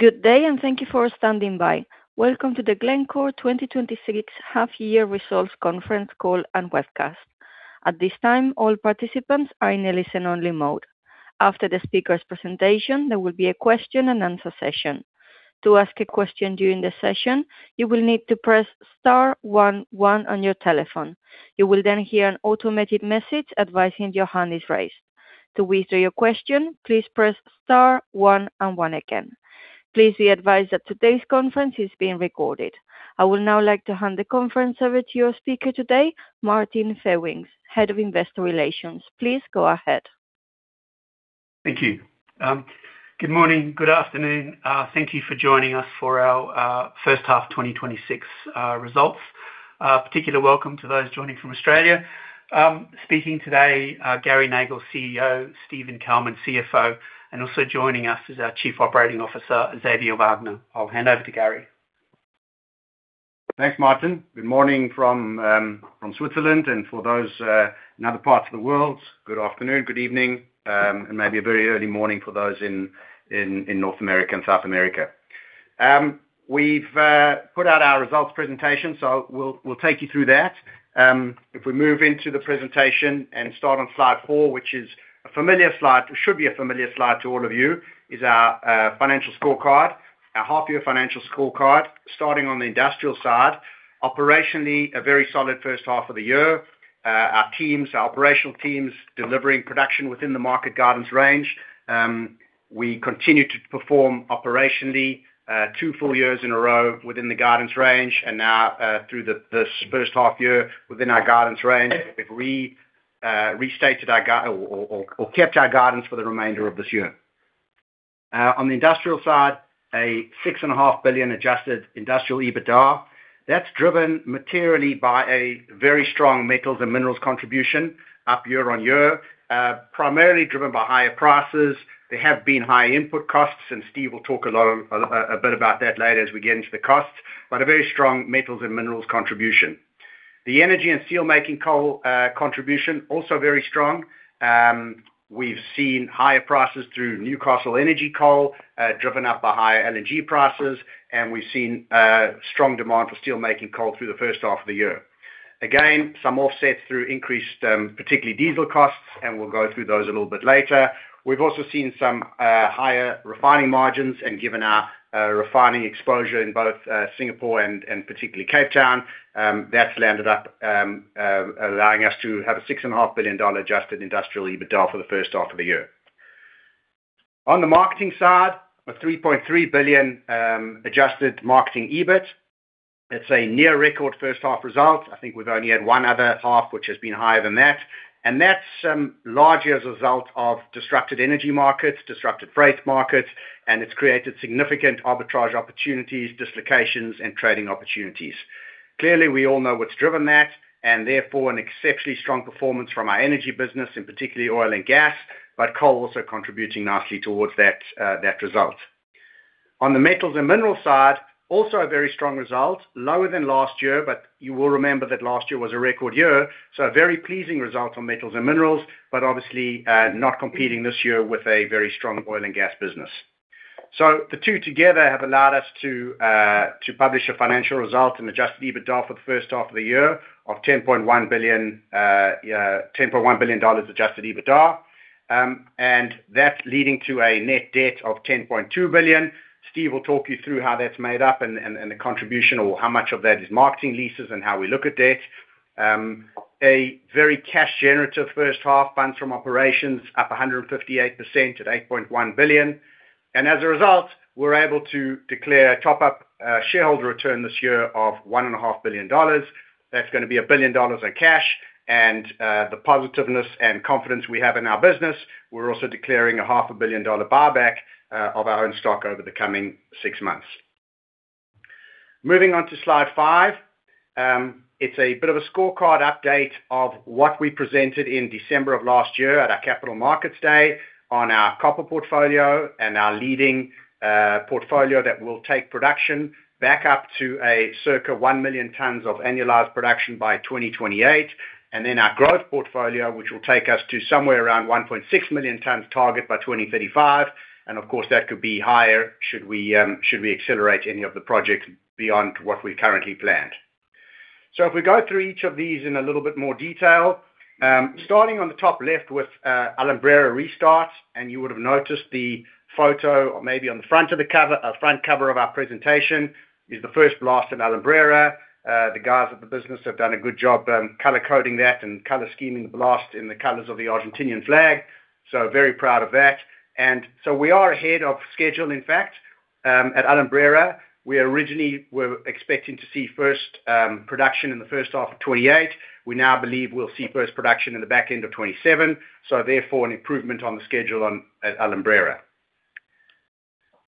Good day, and thank you for standing by. Welcome to the Glencore 2026 half-year results conference call and webcast. At this time, all participants are in a listen-only mode. After the speakers' presentation, there will be a question-and-answer session. To ask a question during the session, you will need to press star one one on your telephone. You will then hear an automated message advising your hand is raised. To withdraw your question, please press star one and one again. Please be advised that today's conference is being recorded. I would now like to hand the conference over to your speaker today, Martin Fewings, Head of Investor Relations. Please go ahead. Thank you. Good morning, good afternoon. Thank you for joining us for our first half 2026 results. Particular welcome to those joining from Australia. Speaking today, Gary Nagle, CEO, Steven Kalmin, CFO, and also joining us is our Chief Operating Officer, Xavier Wagner. I'll hand over to Gary. Thanks, Martin. Good morning from Switzerland, and for those in other parts of the world, good afternoon, good evening, and maybe a very early morning for those in North America and South America. We've put out our results presentation. We'll take you through that. If we move into the presentation and start on slide four, which is a familiar slide, or should be a familiar slide to all of you, is our financial scorecard, our half-year financial scorecard. Starting on the industrial side, operationally a very solid first half of the year. Our operational teams delivering production within the market guidance range. We continue to perform operationally two full years in a row within the guidance range. Now, through this first half year within our guidance range, we've restated or kept our guidance for the remainder of this year. On the industrial side, a $6.5 billion adjusted industrial EBITDA. That's driven materially by a very strong metals and minerals contribution up year-over-year, primarily driven by higher prices. There have been high input costs. Steve will talk a bit about that later as we get into the costs. A very strong metals and minerals contribution. The energy and steelmaking coal contribution, also very strong. We've seen higher prices through Newcastle energy coal driven up by higher LNG prices. We've seen strong demand for steelmaking coal through the first half of the year. Again, some offsets through increased particularly diesel costs. We'll go through those a little bit later. We've also seen some higher refining margins, and given our refining exposure in both Singapore and particularly Cape Town, that's landed up allowing us to have a $6.5 billion adjusted industrial EBITDA for the first half of the year. On the marketing side, a $3.3 billion adjusted marketing EBIT. It's a near record first half result. I think we've only had one other half which has been higher than that. That's largely as a result of disrupted energy markets, disrupted freight markets, and it's created significant arbitrage opportunities, dislocations, and trading opportunities. Clearly, we all know what's driven that. Therefore an exceptionally strong performance from our energy business, in particularly oil and gas, but coal also contributing nicely towards that result. On the metals and minerals side, also a very strong result. Lower than last year, but you will remember that last year was a record year. A very pleasing result on metals and minerals, but obviously, not competing this year with a very strong oil and gas business. The two together have allowed us to publish a financial result, an adjusted EBITDA for the first half of the year of $10.1 billion adjusted EBITDA. That's leading to a net debt of $10.2 billion. Steve will talk you through how that's made up and the contribution or how much of that is marketing leases and how we look at debt. A very cash-generative first half. Funds from operations up 158% at $8.1 billion. As a result, we're able to declare a top-up shareholder return this year of $1.5 billion. That's going to be a billion in cash. The positiveness and confidence we have in our business, we're also declaring a $500 million buyback of our own stock over the coming six months. Moving on to slide five. It's a bit of a scorecard update of what we presented in December of last year at our Capital Markets Day on our copper portfolio and our leading portfolio that will take production back up to a circa 1,000,000 tons of annualized production by 2028. Then our growth portfolio, which will take us to somewhere around 1,600,000 tons target by 2035. Of course, that could be higher should we accelerate any of the projects beyond what we currently planned. If we go through each of these in a little bit more detail. Starting on the top left with Alumbrera restart. You would have noticed the photo or maybe on the front cover of our presentation is the first blast at Alumbrera. The guys at the business have done a good job color-coding that and color-scheming the blast in the colors of the Argentinian flag. Very proud of that. We are ahead of schedule, in fact. At Alumbrera, we originally were expecting to see first production in the first half of 2028. We now believe we'll see first production in the back end of 2027, therefore an improvement on the schedule at Alumbrera.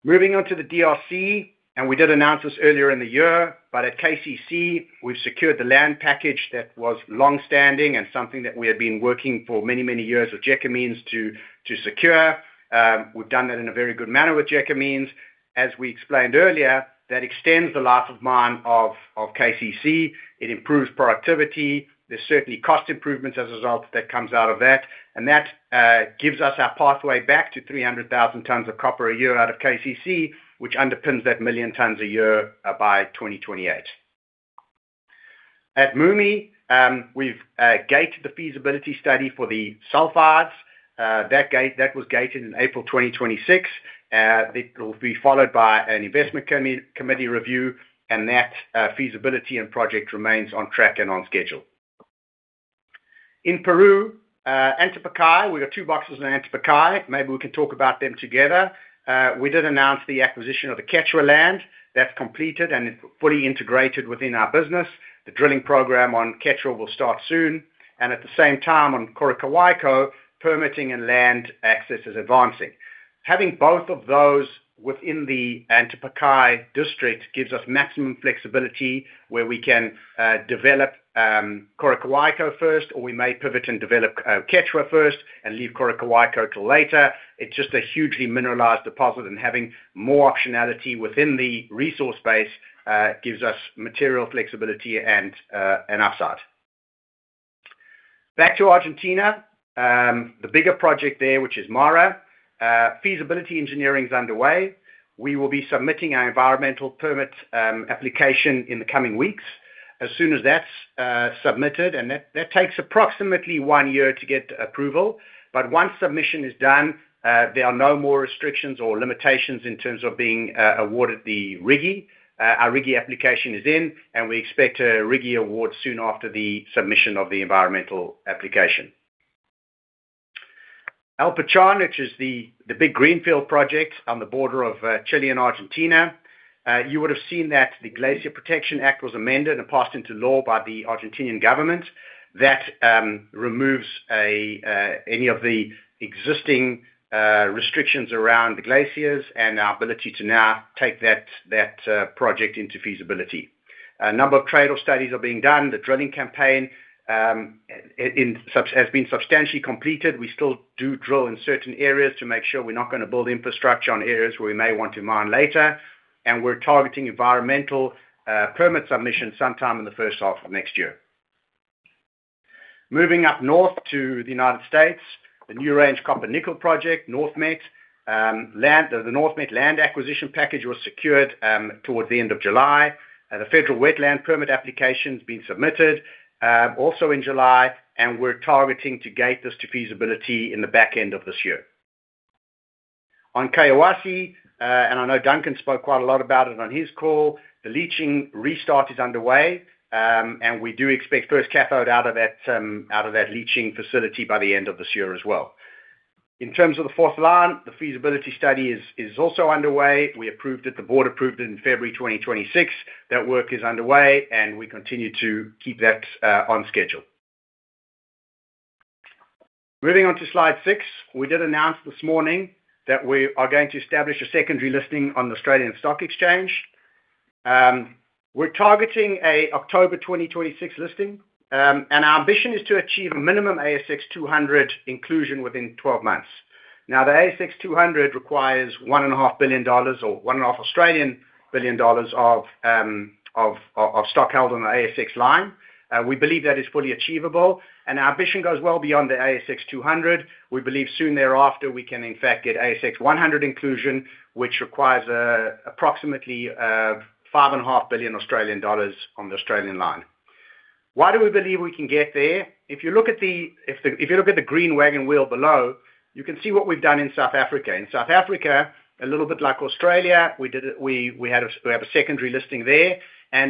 Moving on to the DRC, we did announce this earlier in the year. At KCC, we've secured the land package that was longstanding and something that we have been working for many, many years with Gécamines to secure. We've done that in a very good manner with Gécamines. As we explained earlier, that extends the life of mine of KCC. It improves productivity. There's certainly cost improvements as a result that comes out of that. That gives us our pathway back to 300,000 tons of copper a year out of KCC, which underpins that million tons a year by 2028. At MUMI, we've gated the feasibility study for the sulfides. That was gated in April 2026. It will be followed by an investment committee review, and that feasibility and project remains on track and on schedule. In Peru, Antapaccay, we've got two boxes in Antapaccay. Maybe we can talk about them together. We did announce the acquisition of the Quechua land. That's completed and is fully integrated within our business. The drilling program on Quechua will start soon, and at the same time on Coroccohuayco, permitting and land access is advancing. Having both of those within the Antapaccay district gives us maximum flexibility where we can develop Coroccohuayco first, or we may pivot and develop Quechua first and leave Coroccohuayco till later. It's just a hugely mineralized deposit, and having more optionality within the resource base gives us material flexibility and upside. Back to Argentina, the bigger project there, which is MARA. Feasibility engineering is underway. We will be submitting our environmental permit application in the coming weeks. As soon as that's submitted, and that takes approximately one year to get approval, but once submission is done, there are no more restrictions or limitations in terms of being awarded the RIGI. Our RIGI application is in, and we expect a RIGI award soon after the submission of the environmental application. El Pachón, which is the big greenfield project on the border of Chile and Argentina. You would have seen that the Glacier Protection Act was amended and passed into law by the Argentinian government. That removes any of the existing restrictions around the glaciers and our ability to now take that project into feasibility. A number of trade-off studies are being done. The drilling campaign has been substantially completed. We still do drill in certain areas to make sure we're not going to build infrastructure on areas where we may want to mine later. We're targeting environmental permit submission sometime in the first half of next year. Moving up north to the U.S., the NewRange Copper Nickel Project, NorthMet. The NorthMet land acquisition package was secured towards the end of July. The federal wetland permit application's been submitted also in July, and we're targeting to gate this to feasibility in the back end of this year. On Collahuasi, and I know Duncan spoke quite a lot about it on his call, the leaching restart is underway, and we do expect first cathode out of that leaching facility by the end of this year as well. In terms of the fourth line, the feasibility study is also underway. We approved it. The board approved it in February 2026. That work is underway and we continue to keep that on schedule. Moving on to slide six. We did announce this morning that we are going to establish a secondary listing on the Australian Securities Exchange. We're targeting a October 2026 listing, and our ambition is to achieve a minimum ASX200 inclusion within 12 months. The ASX200 requires 1.5 billion dollars of stock held on the ASX line. We believe that is fully achievable, and our ambition goes well beyond the ASX200. We believe soon thereafter we can in fact get ASX100 inclusion, which requires approximately 5.5 billion Australian dollars on the Australian line. Why do we believe we can get there? If you look at the green wagon wheel below, you can see what we've done in South Africa. In South Africa, a little bit like Australia, we have a secondary listing there.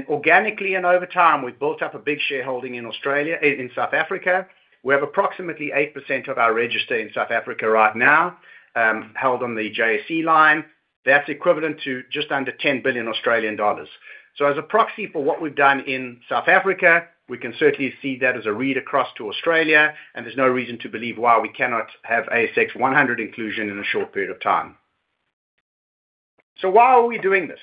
Organically and over time, we've built up a big shareholding in South Africa. We have approximately 8% of our register in South Africa right now, held on the JSE line. That's equivalent to just under 10 billion Australian dollars. As a proxy for what we've done in South Africa, we can certainly see that as a read across to Australia, and there's no reason to believe why we cannot have ASX100 inclusion in a short period of time. Why are we doing this?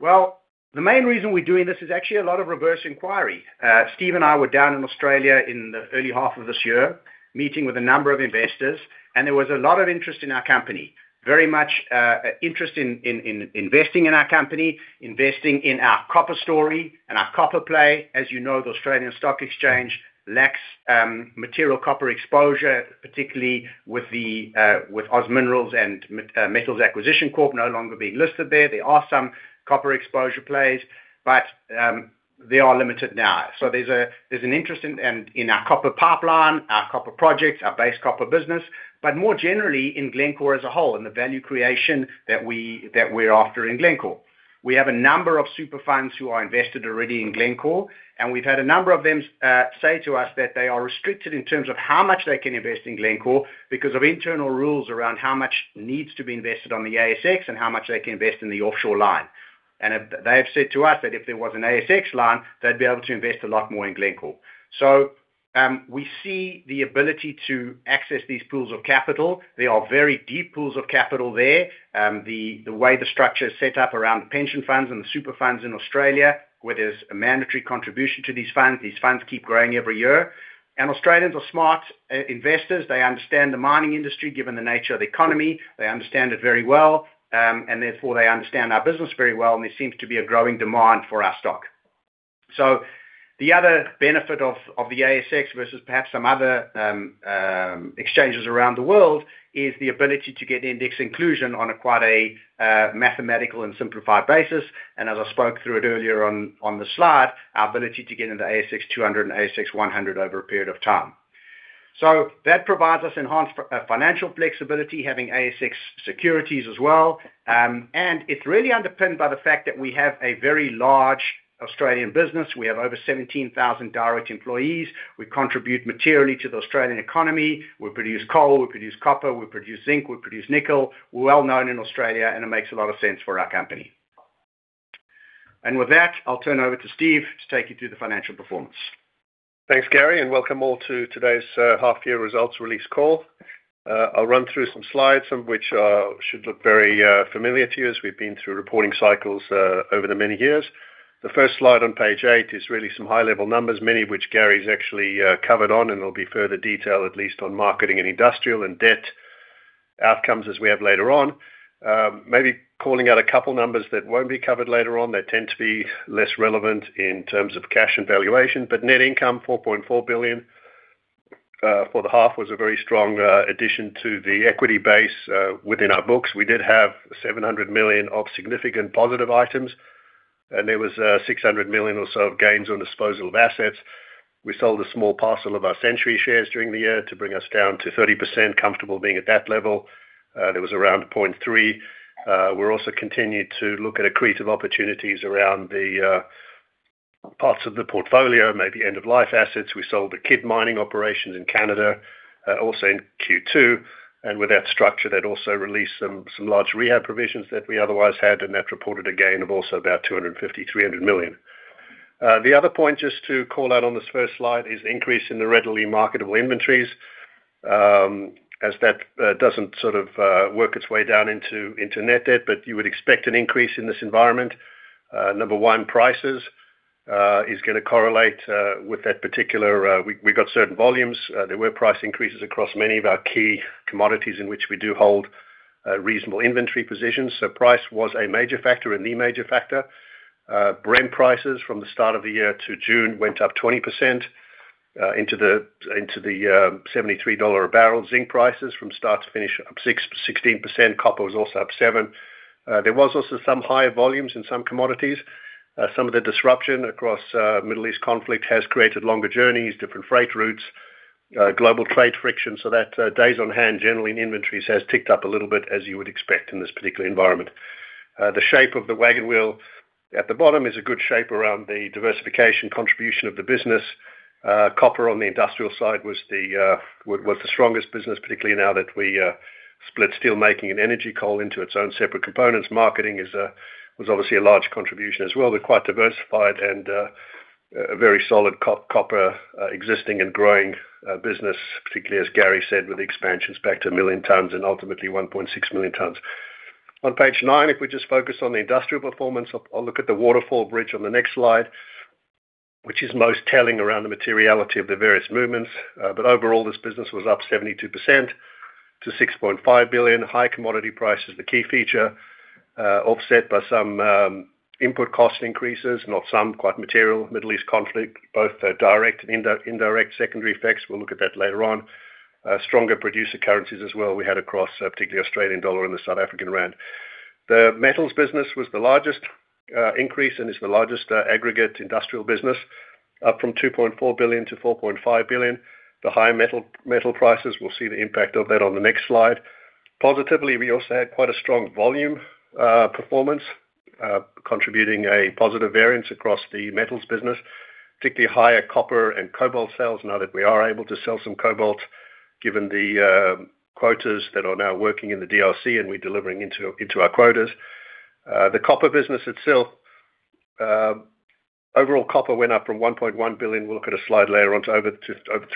The main reason we're doing this is actually a lot of reverse inquiry. Steve and I were down in Australia in the early half of this year, meeting with a number of investors, and there was a lot of interest in our company. Very much interest in investing in our company, investing in our copper story and our copper play. As you know, the Australian Stock Exchange lacks material copper exposure, particularly with OZ Minerals, and Metals Acquisition Corp no longer being listed there. There are some copper exposure plays, but they are limited now. There's an interest in our copper pipeline, our copper projects, our base copper business, but more generally in Glencore as a whole and the value creation that we're after in Glencore. We have a number of super funds who are invested already in Glencore, and we've had a number of them say to us that they are restricted in terms of how much they can invest in Glencore because of internal rules around how much needs to be invested on the ASX and how much they can invest in the offshore line. They have said to us that if there was an ASX line, they'd be able to invest a lot more in Glencore. We see the ability to access these pools of capital. There are very deep pools of capital there. The way the structure is set up around the pension funds and the super funds in Australia, where there's a mandatory contribution to these funds, these funds keep growing every year. Australians are smart investors. They understand the mining industry, given the nature of the economy. They understand it very well, therefore they understand our business very well and there seems to be a growing demand for our stock. The other benefit of the ASX versus perhaps some other exchanges around the world is the ability to get index inclusion on quite a mathematical and simplified basis. As I spoke through it earlier on the slide, our ability to get into ASX200 and ASX100 over a period of time. That provides us enhanced financial flexibility having ASX securities as well. It's really underpinned by the fact that we have a very large Australian business. We have over 17,000 direct employees. We contribute materially to the Australian economy. We produce coal, we produce copper, we produce zinc, we produce nickel. We're well known in Australia, and it makes a lot of sense for our company. With that, I'll turn over to Steve to take you through the financial performance. Thanks, Gary, and welcome all to today's half year results release call. I'll run through some slides, some of which should look very familiar to you as we've been through reporting cycles over the many years. The first slide on page eight is really some high-level numbers, many of which Gary's actually covered on. There'll be further detail, at least on marketing and industrial and debt outcomes as we have later on. Calling out a couple numbers that won't be covered later on that tend to be less relevant in terms of cash and valuation, net income, $4.4 billion for the half was a very strong addition to the equity base within our books. We did have $700 million of significant positive items, and there was $600 million or so of gains on disposal of assets. We sold a small parcel of our Century Aluminium shares during the year to bring us down to 30%, comfortable being at that level. There was around 0.3. We're also continued to look at accretive opportunities around the parts of the portfolio, maybe end-of-life assets. We sold the Kidd Mine operations in Canada, also in Q2. With that structure, that also released some large rehab provisions that we otherwise had, and that reported a gain of also about $250 million-$300 million. The other point just to call out on this first slide is the increase in the readily marketable inventories, as that doesn't sort of work its way down into net debt, but you would expect an increase in this environment. Number one, prices is going to correlate with that particular. We've got certain volumes. There were price increases across many of our key commodities in which we do hold reasonable inventory positions. Price was a major factor and the major factor. Brent prices from the start of the year to June went up 20% into the $73 a barrel. Zinc prices from start to finish up 16%. Copper was also up 7%. There was also some higher volumes in some commodities. Some of the disruption across Middle East conflict has created longer journeys, different freight routes, global trade friction. That days on hand generally in inventories has ticked up a little bit, as you would expect in this particular environment. The shape of the wagon wheel at the bottom is a good shape around the diversification contribution of the business. Copper on the industrial side was the strongest business, particularly now that we split steelmaking and energy coal into its own separate components. Marketing was obviously a large contribution as well. We're quite diversified and a very solid copper existing and growing business, particularly as Gary said, with the expansions back to 1,000,000 tons and ultimately 1,600,000 tons. On page nine, if we just focus on the industrial performance, I'll look at the waterfall bridge on the next slide, which is most telling around the materiality of the various movements. Overall, this business was up 72% to $6.5 billion. High commodity price is the key feature, offset by some input cost increases, not some, quite material. Middle East conflict, both direct and indirect secondary effects. We'll look at that later on. Stronger producer currencies as well we had across particularly Australian dollar and the South African rand. The metals business was the largest increase and is the largest aggregate industrial business, up from $2.4 billion-$4.5 billion. The high metal prices, we'll see the impact of that on the next slide. Positively, we also had quite a strong volume performance contributing a positive variance across the metals business, particularly higher copper and cobalt sales now that we are able to sell some cobalt, given the quotas that are now working in the DRC and we're delivering into our quotas. The copper business itself, overall copper went up from $1.1 billion, we'll look at a slide later on, to over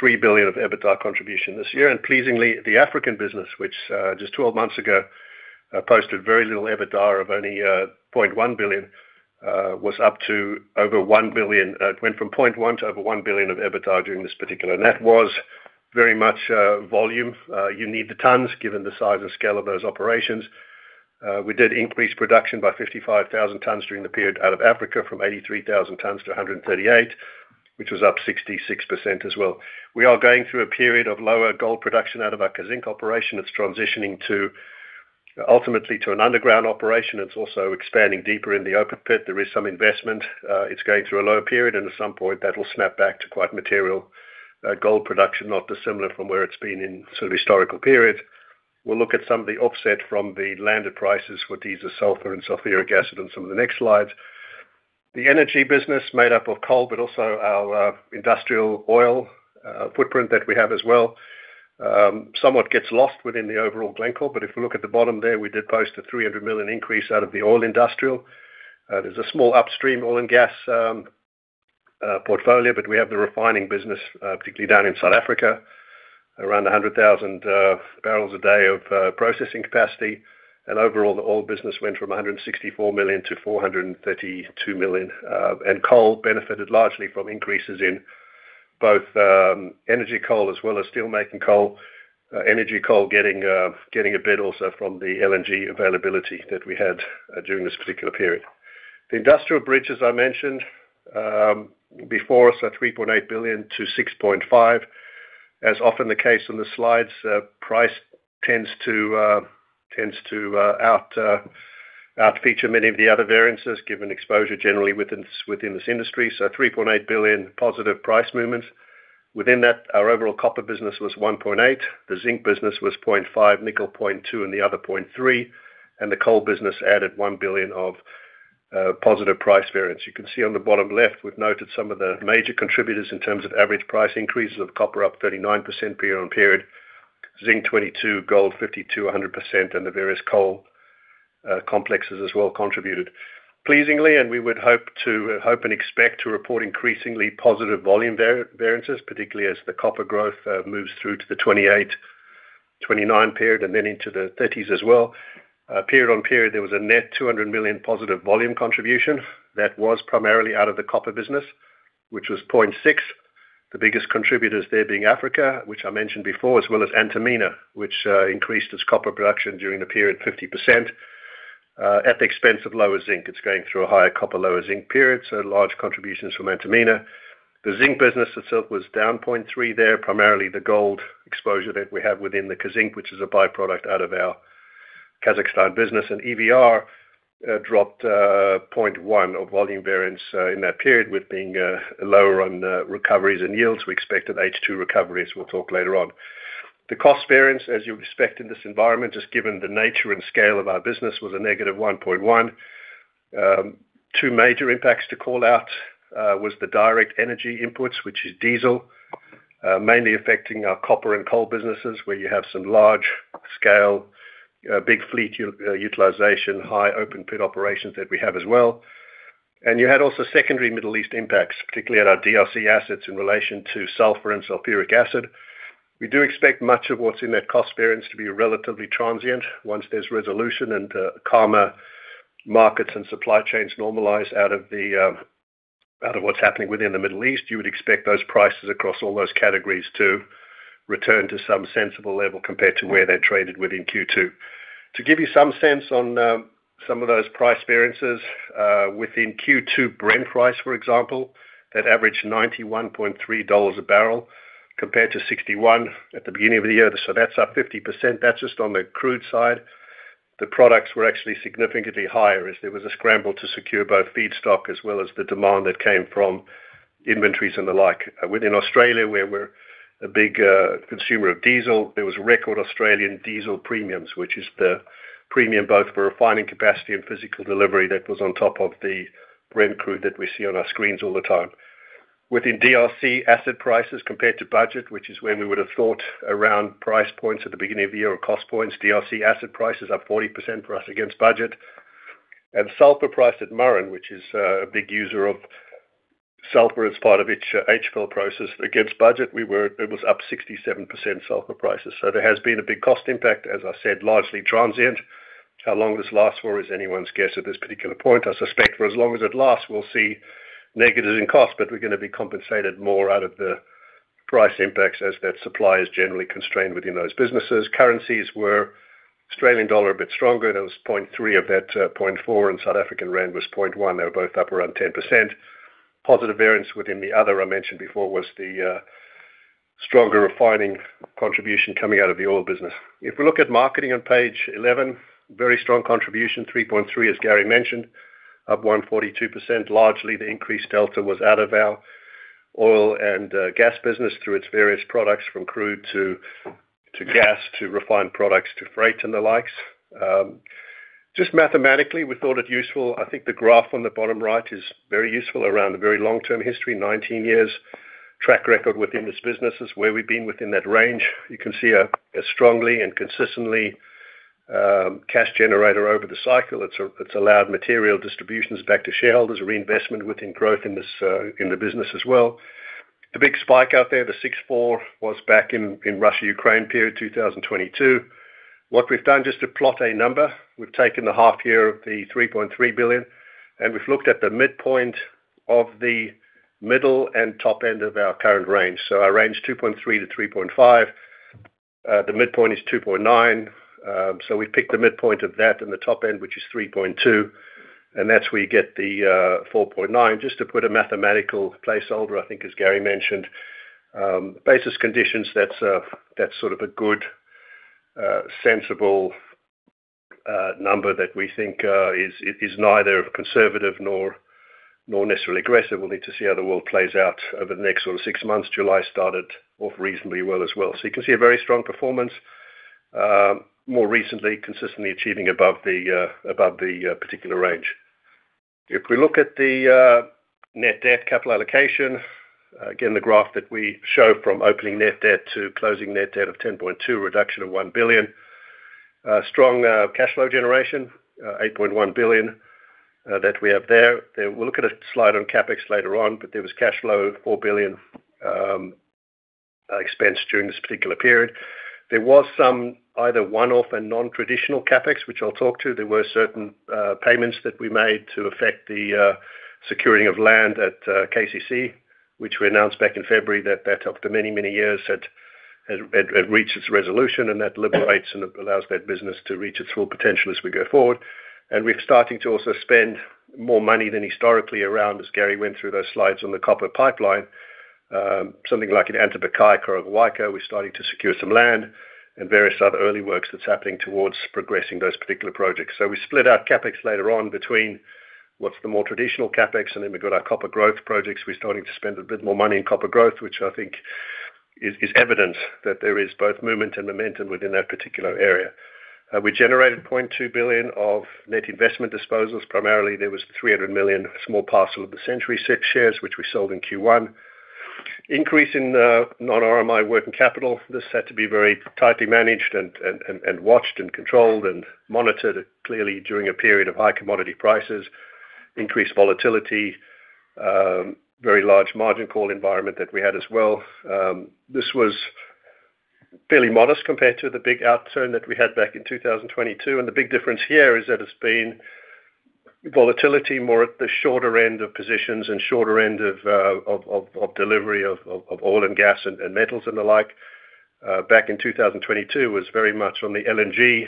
$3 billion of EBITDA contribution this year. Pleasingly, the African business, which just 12 months ago posted very little EBITDA of only $0.1 billion was up to over $1 billion. It went from $0.1 billion to over $1 billion of EBITDA during this particular. That was very much volume. You need the tons, given the size and scale of those operations. We did increase production by 55,000 tons during the period out of Africa from 83,000 tons-138,000 tons, which was up 66% as well. We are going through a period of lower gold production out of our Kazzinc operation. It's transitioning ultimately to an underground operation. It's also expanding deeper in the open pit. There is some investment. It's going through a lower period, and at some point that will snap back to quite material gold production, not dissimilar from where it's been in sort of historical periods. We'll look at some of the offset from the landed prices for diesel sulfur and sulfuric acid on some of the next slides. The energy business made up of coal, but also our industrial oil footprint that we have as well, somewhat gets lost within the overall Glencore. If we look at the bottom there, we did post a $300 million increase out of the oil industrial. There's a small upstream oil and gas portfolio, but we have the refining business, particularly down in South Africa, around 100,000 bpd of processing capacity. Overall, the oil business went from $164 million-$432 million. Coal benefited largely from increases in both energy coal as well as steelmaking coal. Energy coal getting a bit also from the LNG availability that we had during this particular period. The industrial bridge, as I mentioned before, so $3.8 billion-$6.5 billion. As often the case on the slides, price tends to out I have to feature many of the other variances given exposure generally within this industry. $3.8 billion positive price movements. Within that, our overall copper business was $1.8 billion, the zinc business was $0.5 billion, nickel $0.2 billion, and the other $0.3 billion, and the coal business added $1 billion of positive price variance. You can see on the bottom left, we have noted some of the major contributors in terms of average price increases of copper up 39% period on period, zinc 22%, gold 50%-100%, and the various coal complexes as well contributed. Pleasingly, we would hope and expect to report increasingly positive volume variances, particularly as the copper growth moves through to the 2028, 2029 period and then into the 2030s as well. Period on period, there was a net $200 million positive volume contribution that was primarily out of the copper business, which was $0.6 billion. The biggest contributors there being Africa, which I mentioned before, as well as Antamina, which increased its copper production during the period 50%, at the expense of lower zinc. It is going through a higher copper, lower zinc period, large contributions from Antamina. The zinc business itself was down $0.3 billion there, primarily the gold exposure that we have within the Kazzinc, which is a byproduct out of our Kazakhstan business. EVR dropped $0.1 billion of volume variance in that period with being lower on recoveries and yields. We expect of H2 recoveries, we will talk later on. The cost variance, as you expect in this environment, just given the nature and scale of our business, was -$1.1 billion. Two major impacts to call out was the direct energy inputs, which is diesel, mainly affecting our copper and coal businesses, where you have some large-scale, big fleet utilization, high open-pit operations that we have as well. You had also secondary Middle East impacts, particularly at our DRC assets in relation to sulfur and sulfuric acid. We do expect much of what is in that cost variance to be relatively transient. Once there is resolution and calmer markets and supply chains normalize out of what is happening within the Middle East, you would expect those prices across all those categories to return to some sensible level compared to where they traded within Q2. To give you some sense on some of those price variances, within Q2 Brent price, for example, that averaged $91.3 a barrel compared to $61 at the beginning of the year. That is up 50%. That is just on the crude side. The products were actually significantly higher as there was a scramble to secure both feedstock as well as the demand that came from inventories and the like. Within Australia, where we are a big consumer of diesel, there was record Australian diesel premiums, which is the premium both for refining capacity and physical delivery that was on top of the Brent crude that we see on our screens all the time. Within DRC asset prices compared to budget, which is where we would have thought around price points at the beginning of the year or cost points, DRC asset prices up 40% for us against budget. Sulfur price at Murrin, which is a big user of sulfur as part of its HPAL process against budget, it was up 67% sulfur prices. There has been a big cost impact, as I said, largely transient. How long this lasts for is anyone's guess at this particular point. I suspect for as long as it lasts, we'll see negatives in cost, but we're going to be compensated more out of the price impacts as that supply is generally constrained within those businesses. Currencies were Australian dollar a bit stronger. That was 0.3 of that, 0.4 in South African rand was 0.1. They were both up around 10%. Positive variance within the other I mentioned before was the stronger refining contribution coming out of the oil business. If we look at marketing on page 11, very strong contribution, $3.3 billion as Gary mentioned, up 142%. Largely the increased delta was out of our oil and gas business through its various products from crude to gas to refined products to freight and the likes. Just mathematically, we thought it useful. I think the graph on the bottom right is very useful around the very long-term history, 19 years track record within this business is where we've been within that range. You can see a strongly and consistently cash generator over the cycle. It's allowed material distributions back to shareholders, reinvestment within growth in the business as well. The big spike out there, the $6.4 billion, was back in Russia-Ukraine period, 2022. What we've done just to plot a number, we've taken the half year of the $3.3 billion, and we've looked at the midpoint of the middle and top end of our current range. Our range $2.3 billion-$3.5 billion. The midpoint is $2.9 billion, so we've picked the midpoint of that and the top end, which is $3.2 billion, and that's where you get the $4.9 billion. Just to put a mathematical placeholder, I think as Gary mentioned. Basis conditions, that's sort of a good, sensible number that we think is neither conservative nor necessarily aggressive. We'll need to see how the world plays out over the next sort of six months. July started off reasonably well as well. You can see a very strong performance, more recently, consistently achieving above the particular range. If we look at the net debt capital allocation, again, the graph that we show from opening net debt to closing net debt of $10.2 billion, reduction of $1 billion. Strong cash flow generation, $8.1 billion that we have there. We'll look at a slide on CapEx later on, but there was cash flow of $4 billion expense during this particular period. There was some either one-off and non-traditional CapEx, which I'll talk to. There were certain payments that we made to affect the securing of land at KCC, which we announced back in February that after many, many years it reached its resolution and that liberates and allows that business to reach its full potential as we go forward. We're starting to also spend more money than historically around, as Gary went through those slides on the copper pipeline. Something like in Antapaccay or Quechua, we're starting to secure some land and various other early works that's happening towards progressing those particular projects. We split out CapEx later on between what's the more traditional CapEx, and then we've got our copper growth projects. We're starting to spend a bit more money in copper growth, which I think is evidence that there is both movement and momentum within that particular area. We generated $0.2 billion of net investment disposals. Primarily, there was $300 million small parcel of the Century shares, which we sold in Q1. Increase in non-RMI working capital. This had to be very tightly managed and watched and controlled and monitored clearly during a period of high commodity prices, increased volatility, very large margin call environment that we had as well. This was fairly modest compared to the big outturn that we had back in 2022. The big difference here is that it's been volatility more at the shorter end of positions and shorter end of delivery of oil and gas and metals and the like. Back in 2022 was very much on the LNG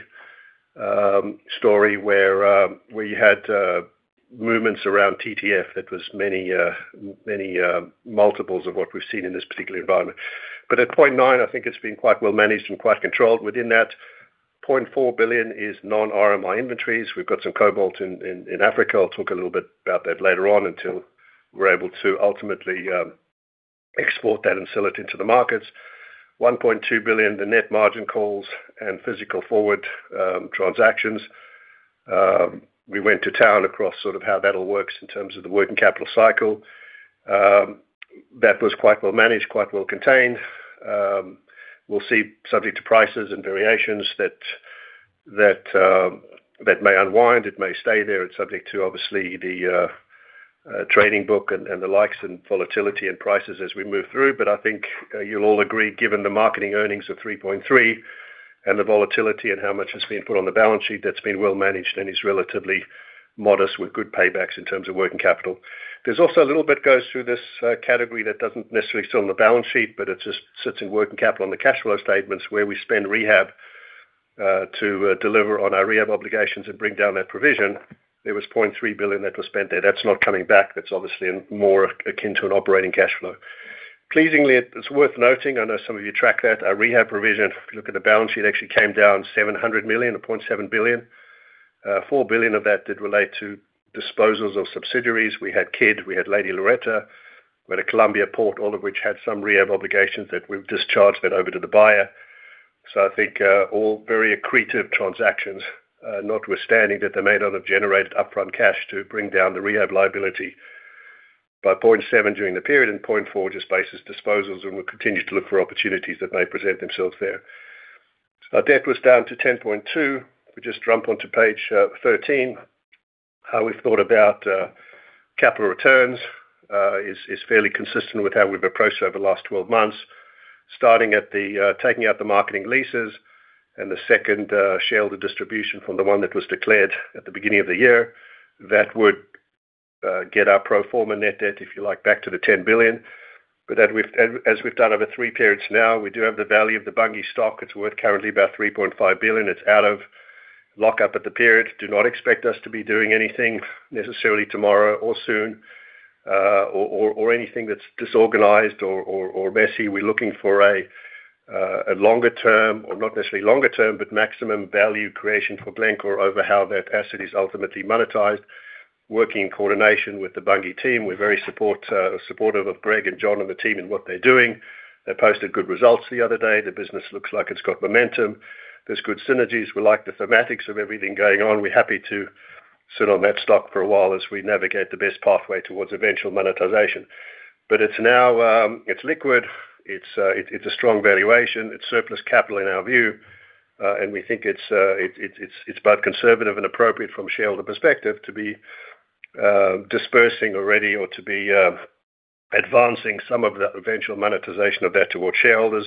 story where we had movements around TTF that was many multiples of what we've seen in this particular environment. But at $0.9 billion, I think it's been quite well managed and quite controlled within that. $0.4 billion is non-RMI inventories. We've got some cobalt in Africa. I'll talk a little bit about that later on until we're able to ultimately export that and sell it into the markets. $1.2 billion, the net margin calls and physical forward transactions. We went to town across sort of how that all works in terms of the working capital cycle. That was quite well managed, quite well contained. We'll see subject to prices and variations that may unwind. It may stay there. It's subject to, obviously, the trading book and the likes and volatility and prices as we move through. But I think you'll all agree, given the marketing earnings of $3.3 billion and the volatility and how much has been put on the balance sheet, that's been well managed and is relatively modest with good paybacks in terms of working capital. There's also a little bit goes through this category that doesn't necessarily sit on the balance sheet, but it just sits in working capital on the cash flow statements where we spend rehab to deliver on our rehab obligations and bring down that provision. There was $0.3 billion that was spent there. That's not coming back. That's obviously more akin to an operating cash flow. Pleasingly, it's worth noting, I know some of you track that, our rehab provision, if you look at the balance sheet, actually came down $700 million to $0.7 billion. $0.4 billion of that did relate to disposals of subsidiaries. We had Kidd, we had Lady Loretta, we had a Colombia Port, all of which had some rehab obligations that we've discharged that over to the buyer. I think all very accretive transactions, notwithstanding that they may not have generated upfront cash to bring down the rehab liability by $0.7 billion during the period and $0.4 billion just bases disposals, and we'll continue to look for opportunities that may present themselves there. Our debt was down to $10.2 billion. We just jump onto page 13. How we've thought about capital returns is fairly consistent with how we've approached over the last 12 months. Starting at the taking out the marketing leases and the second shareholder distribution from the one that was declared at the beginning of the year. That would get our pro forma net debt, if you like, back to the $10 billion. But as we've done over three periods now, we do have the value of the Bunge stock. It's worth currently about $3.5 billion. It's out of lockup at the period. Do not expect us to be doing anything necessarily tomorrow or soon or anything that's disorganized or messy. We're looking for a longer term, or not necessarily longer term, but maximum value creation for Glencore over how that asset is ultimately monetized. Working in coordination with the Bunge team. We're very supportive of Greg and John and the team and what they're doing. They posted good results the other day. The business looks like it's got momentum. There's good synergies. We like the thematics of everything going on. We're happy to sit on that stock for a while as we navigate the best pathway towards eventual monetization. It's now liquid. It's a strong valuation. It's surplus capital in our view. We think it's both conservative and appropriate from a shareholder perspective to be dispersing already or to be advancing some of the eventual monetization of that towards shareholders.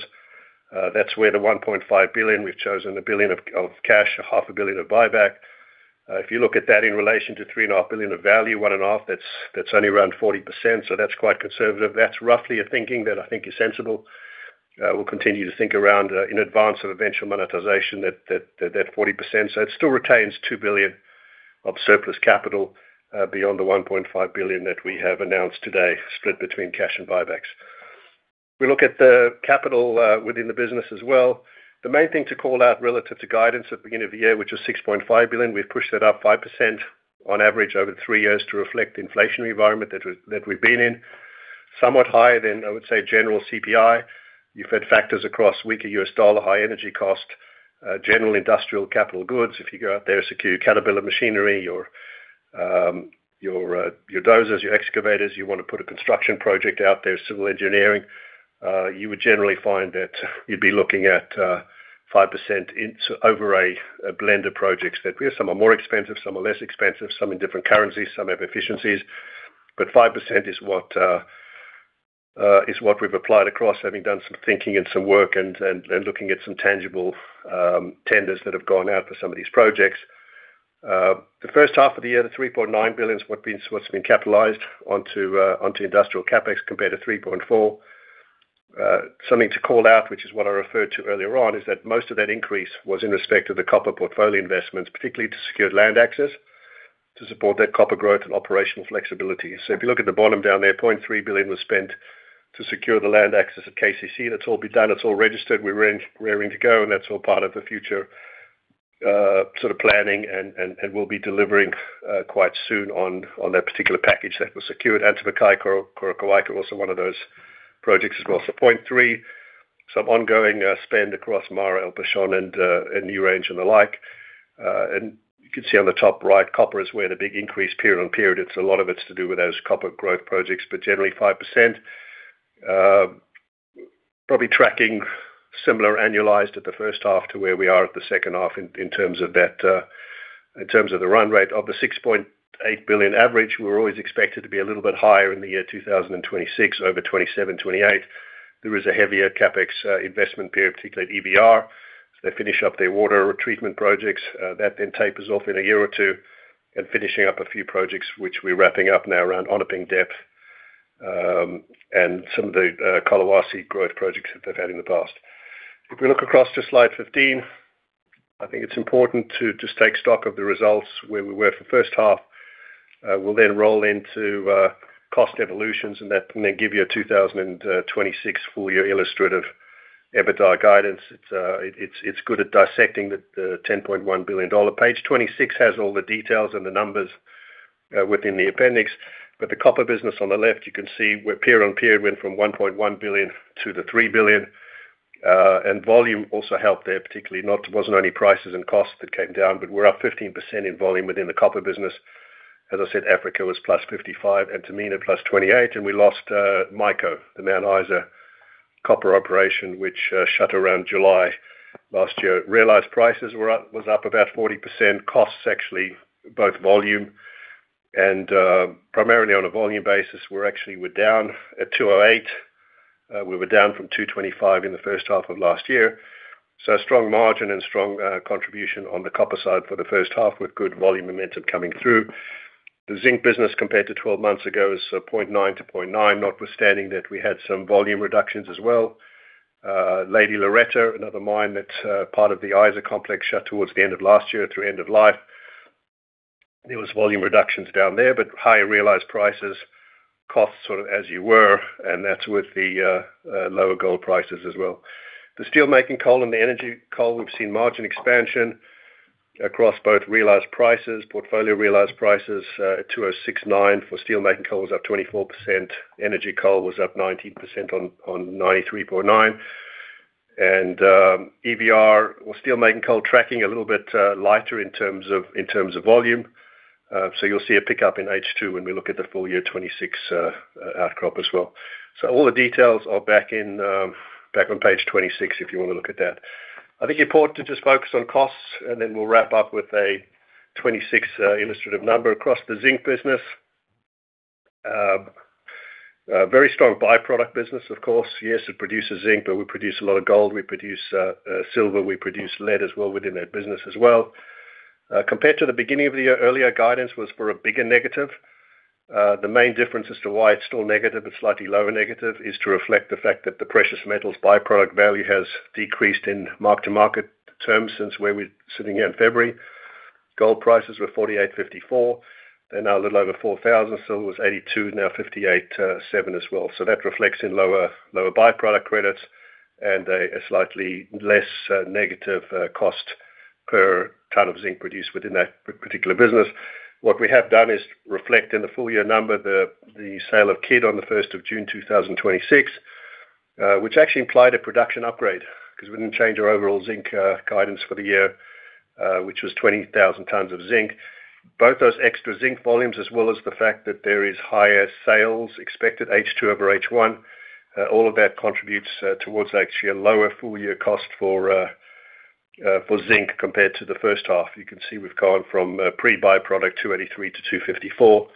That's where the $1.5 billion, we've chosen a billion of cash, a $500 million of buyback. If you look at that in relation to $3.5 billion of value, $1.5 billion, that's only around 40%. That's quite conservative. That's roughly a thinking that I think is sensible. We'll continue to think around in advance of eventual monetization that 40%. It still retains $2 billion of surplus capital beyond the $1.5 billion that we have announced today, split between cash and buybacks. We look at the capital within the business as well. The main thing to call out relative to guidance at the beginning of the year, which was $6.5 billion. We've pushed that up 5% on average over three years to reflect the inflationary environment that we've been in. Somewhat higher than, I would say, general CPI. You've had factors across weaker U.S. dollar, high energy cost, general industrial capital goods. If you go out there, secure your Caterpillar machinery, your dozers, your excavators, you want to put a construction project out there, civil engineering, you would generally find that you'd be looking at 5% over a blend of projects that we have. Some are more expensive, some are less expensive, some in different currencies, some have efficiencies. 5% is what we've applied across, having done some thinking and some work and looking at some tangible tenders that have gone out for some of these projects. The first half of the year, the $3.9 billion is what's been capitalized onto industrial CapEx compared to $3.4 billion. Something to call out, which is what I referred to earlier on, is that most of that increase was in respect of the copper portfolio investments, particularly to secure land access to support that copper growth and operational flexibility. If you look at the bottom down there, $0.3 billion was spent to secure the land access at KCC. That's all been done. It's all registered. We're raring to go, and that's all part of the future planning, and we'll be delivering quite soon on that particular package that was secured. Antapaccay, Coroccohuayco is also one of those projects as well. $0.3 billion, some ongoing spend across MARA, El Pachón, and NewRange and the like. You can see on the top right, copper is where the big increase period on period, it's a lot of it's to do with those copper growth projects, but generally 5%, probably tracking similar annualized at the first half to where we are at the second half in terms of the run rate of the $6.8 billion average. We're always expected to be a little bit higher in 2026 over 2027, 2028. There is a heavier CapEx investment period, particularly at EVR. As they finish up their water treatment projects, that then tapers off in a year or two and finishing up a few projects which we're wrapping up now around Onaping Depth, and some of the Collahuasi growth projects that they've had in the past. We look across to slide 15, I think it's important to just take stock of the results where we were for the first half. We'll then roll into cost evolutions and then give you a 2026 full-year illustrative EBITDA guidance. It's good at dissecting the $10.1 billion. Page 26 has all the details and the numbers within the appendix. The copper business on the left, you can see where period on period went from $1.1 billion to the $3 billion. Volume also helped there, particularly it wasn't only prices and costs that came down, we're up 15% in volume within the copper business. As I said, Africa was +55% and Antamina +28%, we lost MICO, the Mount Isa Copper Operations, which shut around July last year. Realized prices was up about 40%. Costs, actually, both volume and primarily on a volume basis, we're actually down at $208. We were down from $225 in the first half of last year. Strong margin and strong contribution on the copper side for the first half with good volume momentum coming through. The zinc business compared to 12 months ago is $0.9-$0.9, notwithstanding that we had some volume reductions as well. Lady Loretta, another mine that's part of the Mount Isa Copper, shut towards the end of last year to end of life. There was volume reductions down there, higher realized prices, costs sort of as you were, and that's with the lower gold prices as well. The steelmaking coal and the energy coal, we've seen margin expansion across both realized prices. Portfolio realized prices at 206.9 for steelmaking coal was up 24%. Energy coal was up 19% on $93.9 EVR or steelmaking coal tracking a little bit lighter in terms of volume. You'll see a pickup in H2 when we look at the full year 2026 outcrop as well. All the details are back on page 26 if you want to look at that. I think important to just focus on costs and then we'll wrap up with a 2026 illustrative number across the zinc business. A very strong by-product business, of course. Yes, it produces zinc, we produce a lot of gold, we produce silver, we produce lead as well within that business as well. Compared to the beginning of the year, earlier guidance was for a bigger negative. The main difference as to why it's still negative but slightly lower negative is to reflect the fact that the precious metals by-product value has decreased in mark-to-market terms since where we're sitting here in February. Gold prices were $4,854. They're now a little over $4,000. Silver was $82.2, now $58.7 as well. That reflects in lower by-product credits and a slightly less negative cost per ton of zinc produced within that particular business. What we have done is reflect in the full-year number the sale of Kidd on June 1st, 2026, which actually implied a production upgrade because we didn't change our overall zinc guidance for the year, which was 20,000 tons of zinc. Both those extra zinc volumes, as well as the fact that there is higher sales expected H2 over H1, all of that contributes towards actually a lower full-year cost for zinc compared to the first half. You can see we've gone from pre-by product 283-254.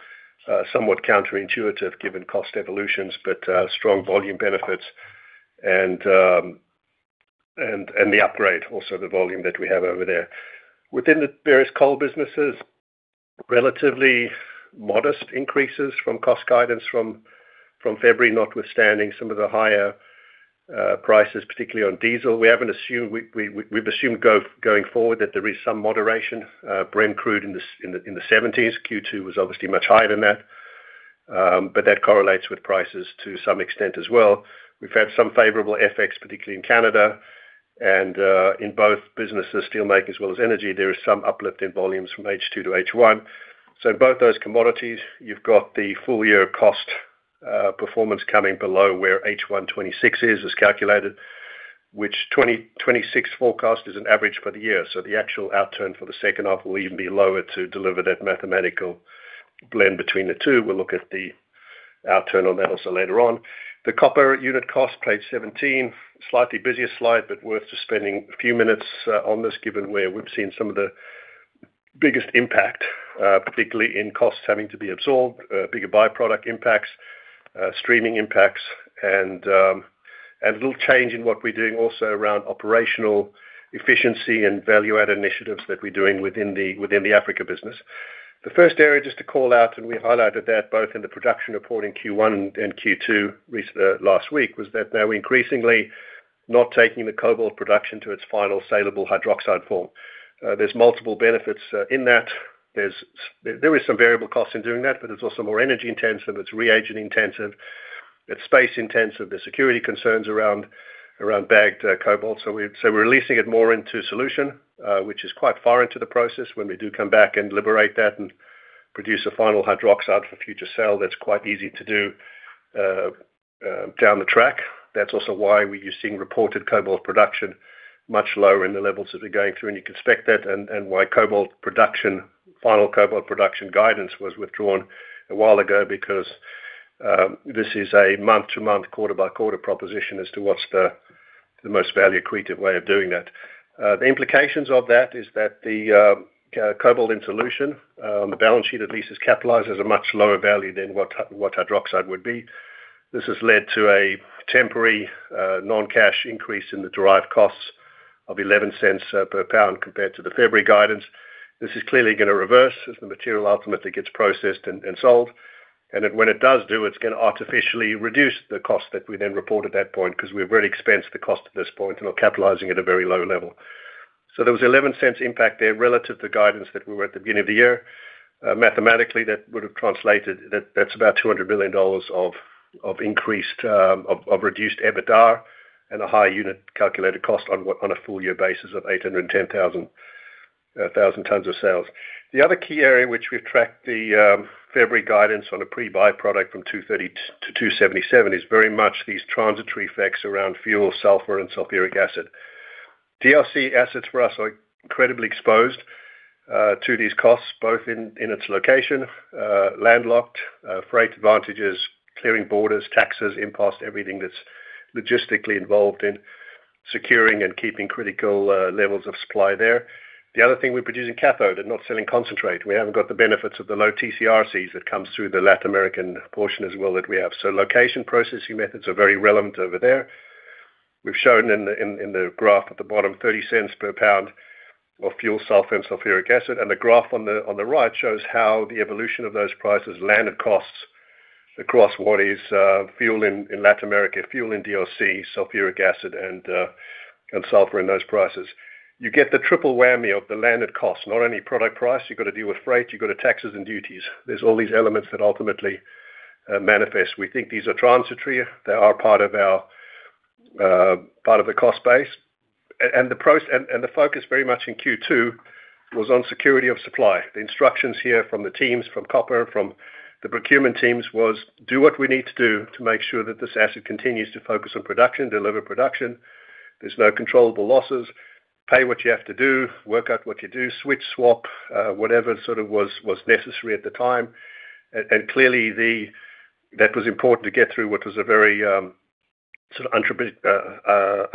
Somewhat counterintuitive given cost evolutions, but strong volume benefits and the upgrade, also the volume that we have over there. Within the various coal businesses, relatively modest increases from cost guidance from February, notwithstanding some of the higher prices, particularly on diesel. We've assumed going forward that there is some moderation. Brent crude in the $70s. Q2 was obviously much higher than that, but that correlates with prices to some extent as well. We've had some favorable FX, particularly in Canada and in both businesses, steel making as well as energy. There is some uplift in volumes from H2 to H1. In both those commodities, you've got the full year cost performance coming below where H1 2026 is as calculated, which 2026 forecast is an average for the year. So the actual outturn for the second half will even be lower to deliver that mathematical blend between the two. We'll look at the outturn on that also later on. The copper unit cost, page 17, slightly busier slide, but worth just spending a few minutes on this given where we've seen some of the biggest impact, particularly in costs having to be absorbed, bigger by-product impacts, streaming impacts, and a little change in what we're doing also around operational efficiency and value add initiatives that we're doing within the Africa business. The first area just to call out, and we highlighted that both in the production report in Q1 and Q2 last week, was that now increasingly not taking the cobalt production to its final saleable hydroxide form. There's multiple benefits in that. There is some variable cost in doing that, but it's also more energy-intensive, it's reagent-intensive, it's space-intensive. There's security concerns around bagged cobalt. We're releasing it more into solution, which is quite far into the process when we do come back and liberate that and produce a final hydroxide for future sale, that's quite easy to do down the track. That's also why you're seeing reported cobalt production much lower in the levels that we're going through, and you can expect that, and why final cobalt production guidance was withdrawn a while ago, because this is a month-to-month, quarter-by-quarter proposition as to what's the most value-accretive way of doing that. The implications of that is that the cobalt in solution, the balance sheet at least is capitalized as a much lower value than what hydroxide would be. This has led to a temporary non-cash increase in the derived costs of $0.11 /lbs compared to the February guidance. This is clearly going to reverse as the material ultimately gets processed and sold. When it does do, it's going to artificially reduce the cost that we then report at that point because we've already expensed the cost at this point and are capitalizing at a very low level. There was an $0.11 impact there relative to guidance that we were at the beginning of the year. Mathematically, that would have translated, that's about $200 million of reduced EBITDA and a higher unit calculated cost on a full year basis of 810,000 tons of sales. The other key area in which we've tracked the February guidance on a pre-byproduct from 230-277 is very much these transitory effects around fuel, sulfur, and sulfuric acid. DRC assets for us are incredibly exposed to these costs, both in its location, landlocked, freight advantages, clearing borders, taxes, impost, everything that's logistically involved in securing and keeping critical levels of supply there. The other thing, we're producing cathode and not selling concentrate. We haven't got the benefits of the low TC/RCs that comes through the Latin American portion as well that we have. Location processing methods are very relevant over there. We've shown in the graph at the bottom, $0.30 /lbs of fuel, sulfur, and sulfuric acid. The graph on the right shows how the evolution of those prices landed costs across what is fuel in Latin America, fuel in DRC, sulfuric acid, and sulfur in those prices. You get the triple whammy of the landed cost, not only product price. You've got to deal with freight, you've got taxes and duties. There's all these elements that ultimately manifest. We think these are transitory. They are part of the cost base. The focus very much in Q2 was on security of supply. The instructions here from the teams, from copper, from the procurement teams was, do what we need to do to make sure that this asset continues to focus on production, deliver production. There's no controllable losses. Pay what you have to do. Work out what you do. Switch, swap, whatever sort of was necessary at the time. Clearly, that was important to get through what was a very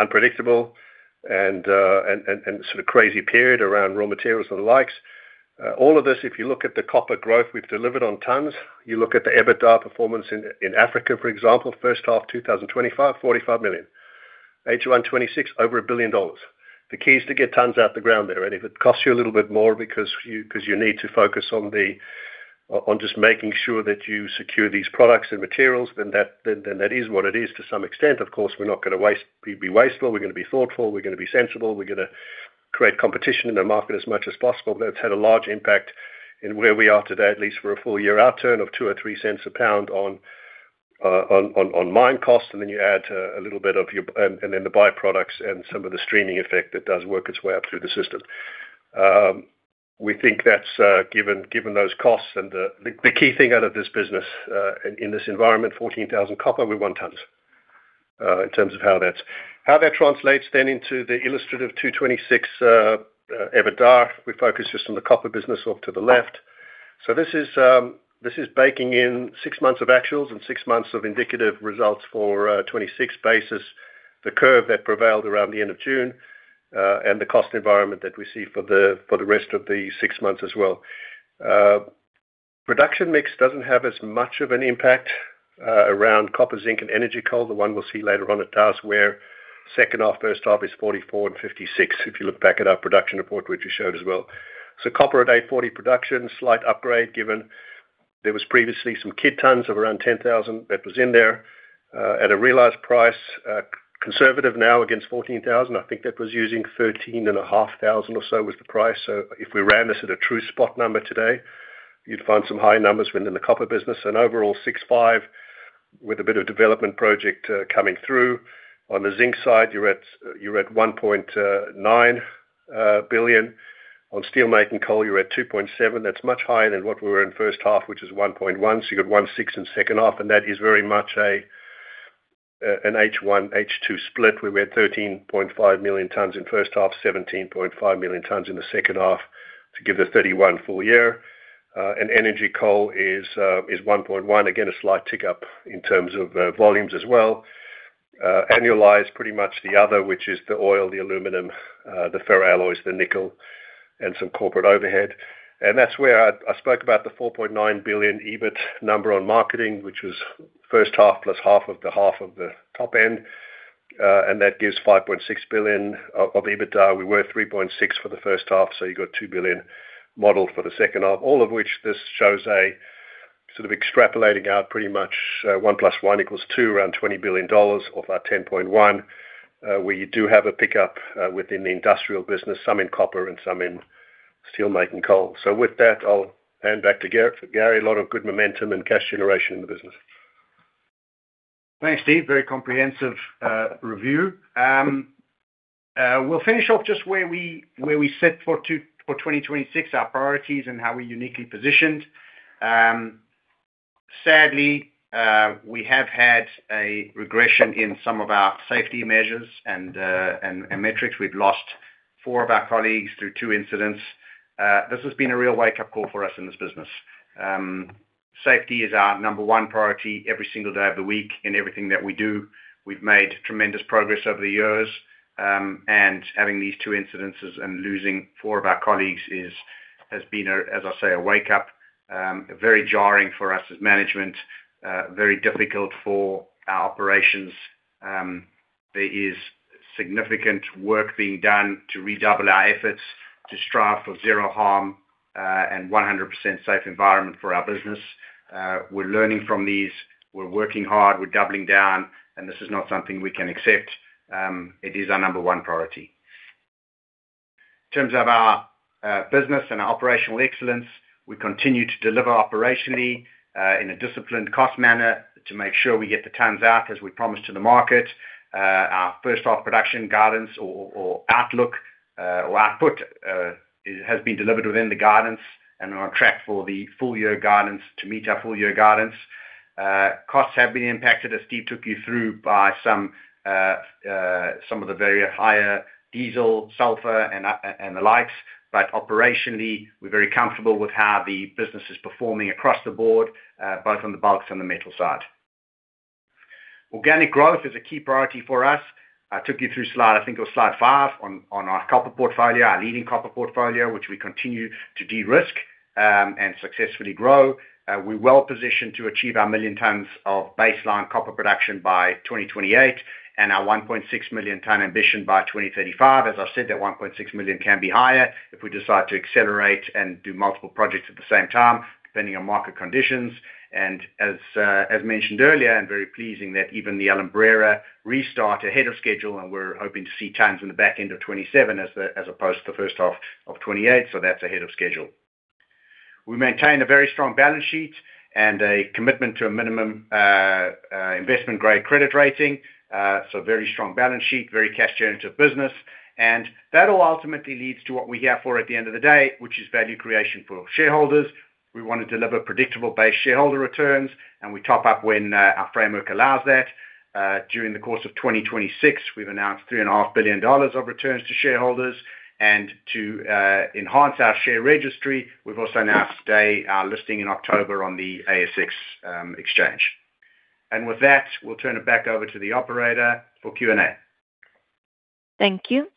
unpredictable and sort of crazy period around raw materials and the likes. All of this, if you look at the copper growth we've delivered on tons, you look at the EBITDA performance in Africa, for example, first half 2025, $45 million. H1 2026, over $1 billion. The key is to get tons out the ground there, and if it costs you a little bit more because you need to focus on just making sure that you secure these products and materials, then that is what it is to some extent. Of course, we're not going to be wasteful. We're going to be thoughtful. We're going to be sensible. We're going to create competition in the market as much as possible. It's had a large impact in where we are today, at least for a full-year outturn of $0.02 /lbs or $0.03 /lbs on mine cost, and then you add a little bit of the byproducts and some of the streaming effect that does work its way up through the system. We think that's given those costs and the key thing out of this business, in this environment, $14,000 copper, we want tons in terms of how that translates into the illustrative 2026 EBITDA. We focus just on the copper business off to the left. This is baking in six months of actuals and six months of indicative results for 2026 basis, the curve that prevailed around the end of June, and the cost environment that we see for the rest of the six months as well. Production mix doesn't have as much of an impact around copper, zinc, and energy coal. The one we'll see later on at task where second half, first half is 44% and 56%, if you look back at our production report, which we showed as well. Copper at 840 production, slight upgrade given there was previously some kit tons of around 10,000 that was in there at a realized price, conservative now against $14,000. I think that was using $13,500 or so was the price. If we ran this at a true spot number today, you'd find some high numbers within the copper business and overall $6.5 billion with a bit of development project coming through. On the zinc side, you're at $1.9 billion. On steelmaking coal, you're at $2.7 billion. That's much higher than what we were in the first half, which is $1.1 billion. You've got $1.6 billion in the second half, and that is very much an H1, H2 split, where we had 13,500,000 tons in the first half, 17,500, 000 tons in the second half to give the 31,000,000 tons full year. Energy coal is $1.1 billion. Again, a slight tick-up in terms of volumes as well. Annualized pretty much the other, which is the oil, the aluminum, the ferroalloys, the nickel, and some corporate overhead. That's where I spoke about the $4.9 billion EBIT number on marketing, which was first half plus half of the half of the top end. That gives $5.6 billion of EBITDA. We were $3.6 billion for the first half, you got $2 billion modeled for the second half. All of which this shows a sort of extrapolating out pretty much one plus one equals two, around $20 billion of our $10.1 billion. We do have a pickup within the industrial business, some in copper and some in steelmaking coal. With that, I'll hand back to Gary. Gary, a lot of good momentum and cash generation in the business. Thanks, Steve. Very comprehensive review. We'll finish off just where we set for 2026, our priorities and how we're uniquely positioned. Sadly, we have had a regression in some of our safety measures and metrics. We've lost four of our colleagues through two incidents. This has been a real wake-up call for us in this business. Safety is our number one priority every single day of the week in everything that we do. We've made tremendous progress over the years. Having these two incidents and losing four of our colleagues has been, as I say, a wake up. Very jarring for us as management. Very difficult for our operations. There is significant work being done to redouble our efforts to strive for zero harm, and 100% safe environment for our business. We're learning from these. We're working hard. We're doubling down. This is not something we can accept. It is our number one priority. In terms of our business and our operational excellence, we continue to deliver operationally, in a disciplined cost manner to make sure we get the tons out as we promised to the market. Our first half production guidance or outlook, or output, has been delivered within the guidance and are on track for the full year guidance to meet our full year guidance. Costs have been impacted, as Steve took you through, by some of the very higher diesel, sulfur, and the likes. Operationally, we're very comfortable with how the business is performing across the board, both on the bulks and the metal side. Organic growth is a key priority for us. I took you through slide, I think it was slide five on our copper portfolio, our leading copper portfolio, which we continue to de-risk, and successfully grow. We're well-positioned to achieve our million tons of baseline copper production by 2028 and our 1,600,000 ton ambition by 2035. As I've said, that 1,600,000 tons can be higher if we decide to accelerate and do multiple projects at the same time, depending on market conditions. As mentioned earlier, and very pleasing that even the Alumbrera restart ahead of schedule, and we're hoping to see tons in the back end of 2027 as opposed to the first half of 2028. That's ahead of schedule. We maintain a very strong balance sheet and a commitment to a minimum investment-grade credit rating. Very strong balance sheet, very cash generative business. That all ultimately leads to what we're here for at the end of the day, which is value creation for shareholders. We want to deliver predictable base shareholder returns. We top up when our framework allows that. During the course of 2026, we've announced $3.5 billion of returns to shareholders. To enhance our share registry, we've also announced today our listing in October on the ASX exchange. With that, we'll turn it back over to the operator for Q&A. Thank you.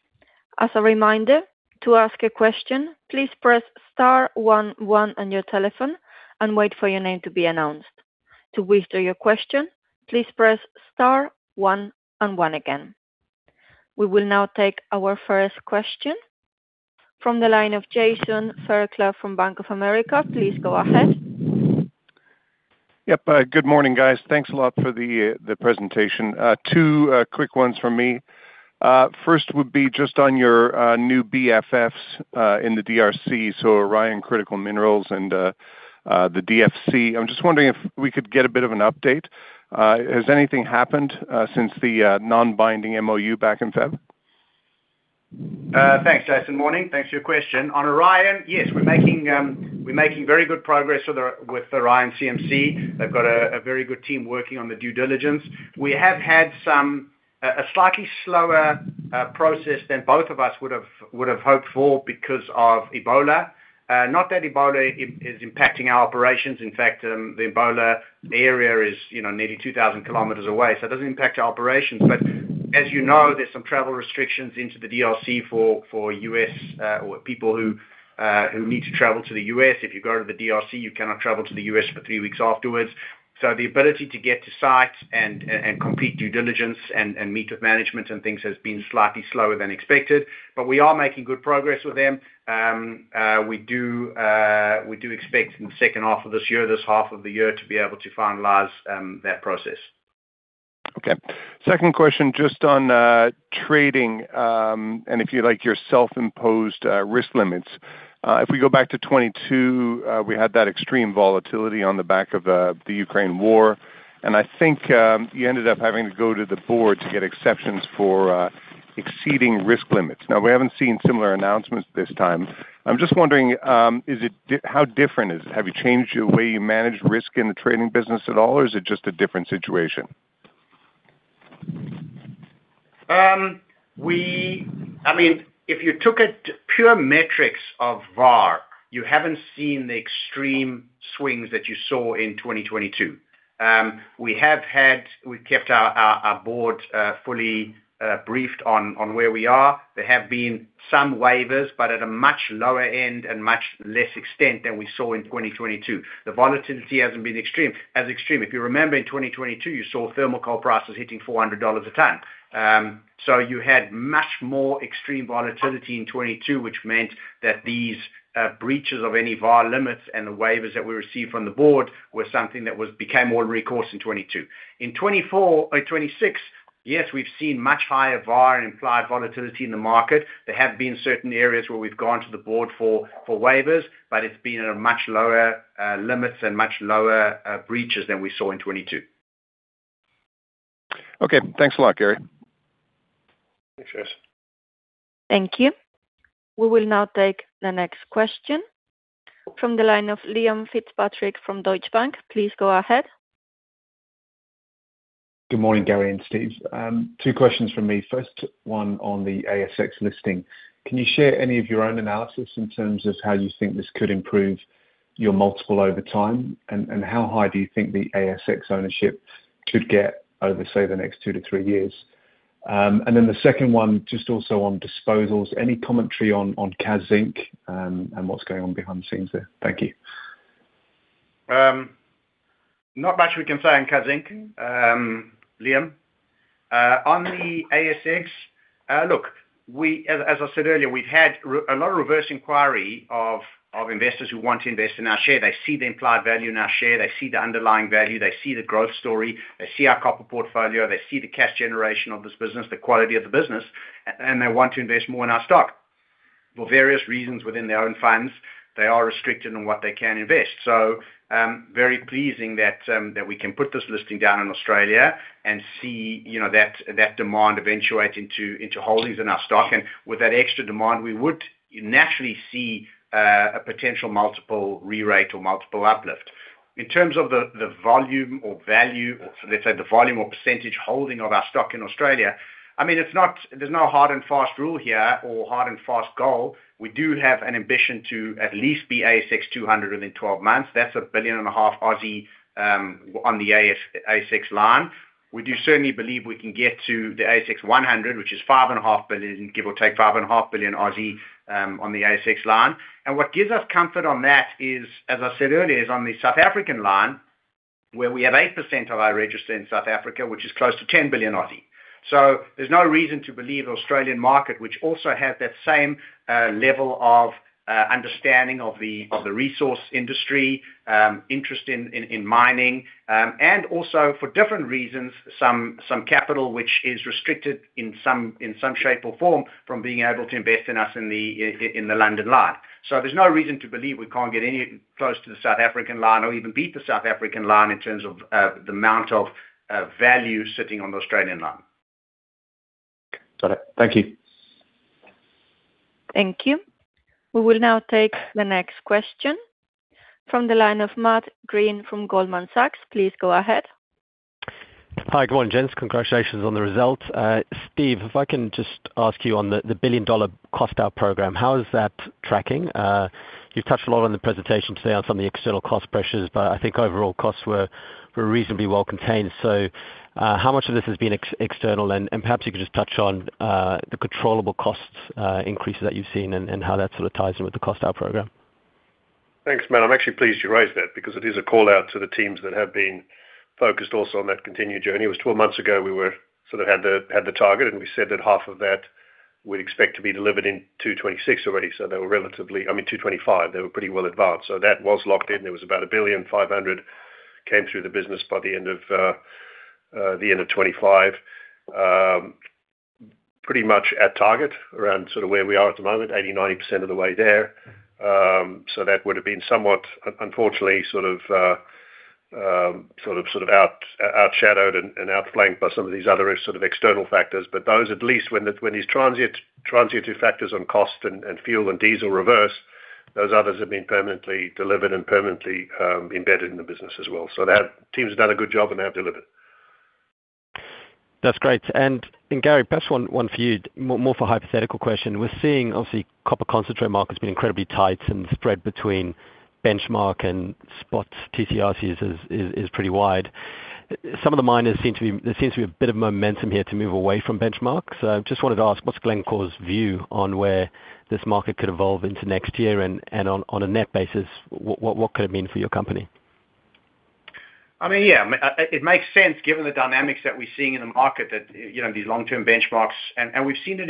As a reminder, to ask a question, please press star one one on your telephone and wait for your name to be announced. To withdraw your question, please press star one and one again. We will now take our first question from the line of Jason Fairclough from Bank of America. Please go ahead. Yep. Good morning, guys. Thanks a lot for the presentation. Two quick ones from me. First would be just on your new BFFs in the DRC, so Orion Critical Minerals and the DFC. I'm just wondering if we could get a bit of an update. Has anything happened since the non-binding MoU back in February? Thanks, Jason. Morning. Thanks for your question. On Orion CMC, yes, we're making very good progress with Orion CMC. They've got a very good team working on the due diligence. We have had a slightly slower process than both of us would have hoped for because of Ebola. Not that Ebola is impacting our operations. In fact, the Ebola area is nearly 2,000 km away, so it doesn't impact our operations. As you know, there's some travel restrictions into the DRC for people who need to travel to the U.S. If you go to the DRC, you cannot travel to the U.S. for three weeks afterwards. So the ability to get to site and complete due diligence and meet with management and things has been slightly slower than expected. But we are making good progress with them. We do expect in the second half of this year, this half of the year, to be able to finalize that process. Okay. Second question, just on trading, and if you like, your self-imposed risk limits. If we go back to 2022, we had that extreme volatility on the back of the Ukraine war. I think you ended up having to go to the board to get exceptions for exceeding risk limits. We haven't seen similar announcements this time. I'm just wondering, how different is it? Have you changed the way you manage risk in the trading business at all, or is it just a different situation? If you took it pure metrics of VaR, you haven't seen the extreme swings that you saw in 2022. We have kept our board fully briefed on where we are. There have been some waivers, but at a much lower end and much less extent than we saw in 2022. The volatility hasn't been as extreme. If you remember in 2022, you saw thermal coal prices hitting $400 a ton. You had much more extreme volatility in 2022, which meant that these breaches of any VaR limits and the waivers that we received from the board were something that became ordinary course in 2022. In 2026, yes, we've seen much higher VaR and implied volatility in the market. There have been certain areas where we've gone to the board for waivers, but it's been at a much lower limits and much lower breaches than we saw in 2022. Okay. Thanks a lot, Gary. Thanks, Jason. Thank you. We will now take the next question from the line of Liam Fitzpatrick from Deutsche Bank. Please go ahead. Good morning, Gary and Steve. Two questions from me. First one on the ASX listing. Can you share any of your own analysis in terms of how you think this could improve your multiple over time? How high do you think the ASX ownership could get over, say, the next two to three years? The second one, just also on disposals. Any commentary on Kazzinc and what's going on behind the scenes there? Thank you. Not much we can say on Kazzinc, Liam. On the ASX, as I said earlier, we've had a lot of reverse inquiry of investors who want to invest in our share. They see the implied value in our share. They see the underlying value. They see the growth story. They see our copper portfolio. They see the cash generation of this business, the quality of the business, and they want to invest more in our stock. For various reasons within their own funds, they are restricted on what they can invest. Very pleasing that we can put this listing down in Australia and see that demand eventuate into holdings in our stock. With that extra demand, we would naturally see a potential multiple rerate or multiple uplift. In terms of the volume or value, let's say the volume or percentage holding of our stock in Australia, there's no hard and fast rule here or hard and fast goal. We do have an ambition to at least be ASX200 within 12 months. That's a billion and a half Aussie on the ASX line. We do certainly believe we can get to the ASX100, which is give or take 5.5 billion, on the ASX line. What gives us comfort on that is, as I said earlier, is on the South African line, where we have 8% of our register in South Africa, which is close to 10 billion. There's no reason to believe the Australian market, which also has that same level of understanding of the resource industry, interest in mining, and also for different reasons, some capital which is restricted in some shape or form from being able to invest in us in the London line. There's no reason to believe we can't get any close to the South African line or even beat the South African line in terms of the amount of value sitting on the Australian line. Got it. Thank you. Thank you. We will now take the next question from the line of Matt Greene from Goldman Sachs. Please go ahead. Hi, good morning, gents. Congratulations on the results. Steve, if I can just ask you on the billion-dollar cost out program, how is that tracking? You've touched a lot on the presentation today on some of the external cost pressures, but I think overall costs were reasonably well contained. How much of this has been external? Perhaps you could just touch on the controllable costs increases that you've seen and how that sort of ties in with the cost out program. Thanks, Matt. I'm actually pleased you raised that because it is a call-out to the teams that have been focused also on that continued journey. It was 12 months ago, we sort of had the target. We said that half of that we'd expect to be delivered in 2026 already. I mean 2025. They were pretty well advanced. That was locked in. There was about $1.5 billion came through the business by the end of 2025. Pretty much at target around sort of where we are at the moment, 80%, 90% of the way there. That would've been somewhat, unfortunately, sort of outshadowed and outflanked by some of these other sort of external factors. Those, at least when these transitory factors on cost and fuel and diesel reverse, those others have been permanently delivered and permanently embedded in the business as well. The teams have done a good job, and they have delivered. That's great. Gary, perhaps one for you, more for a hypothetical question. We're seeing, obviously, copper concentrate market's been incredibly tight and spread between benchmark and spots. TC/RCs is pretty wide. There seems to be a bit of momentum here to move away from benchmark. I just wanted to ask, what's Glencore's view on where this market could evolve into next year and on a net basis, what could it mean for your company? Yeah. It makes sense given the dynamics that we're seeing in the market, these long-term benchmarks. We've seen it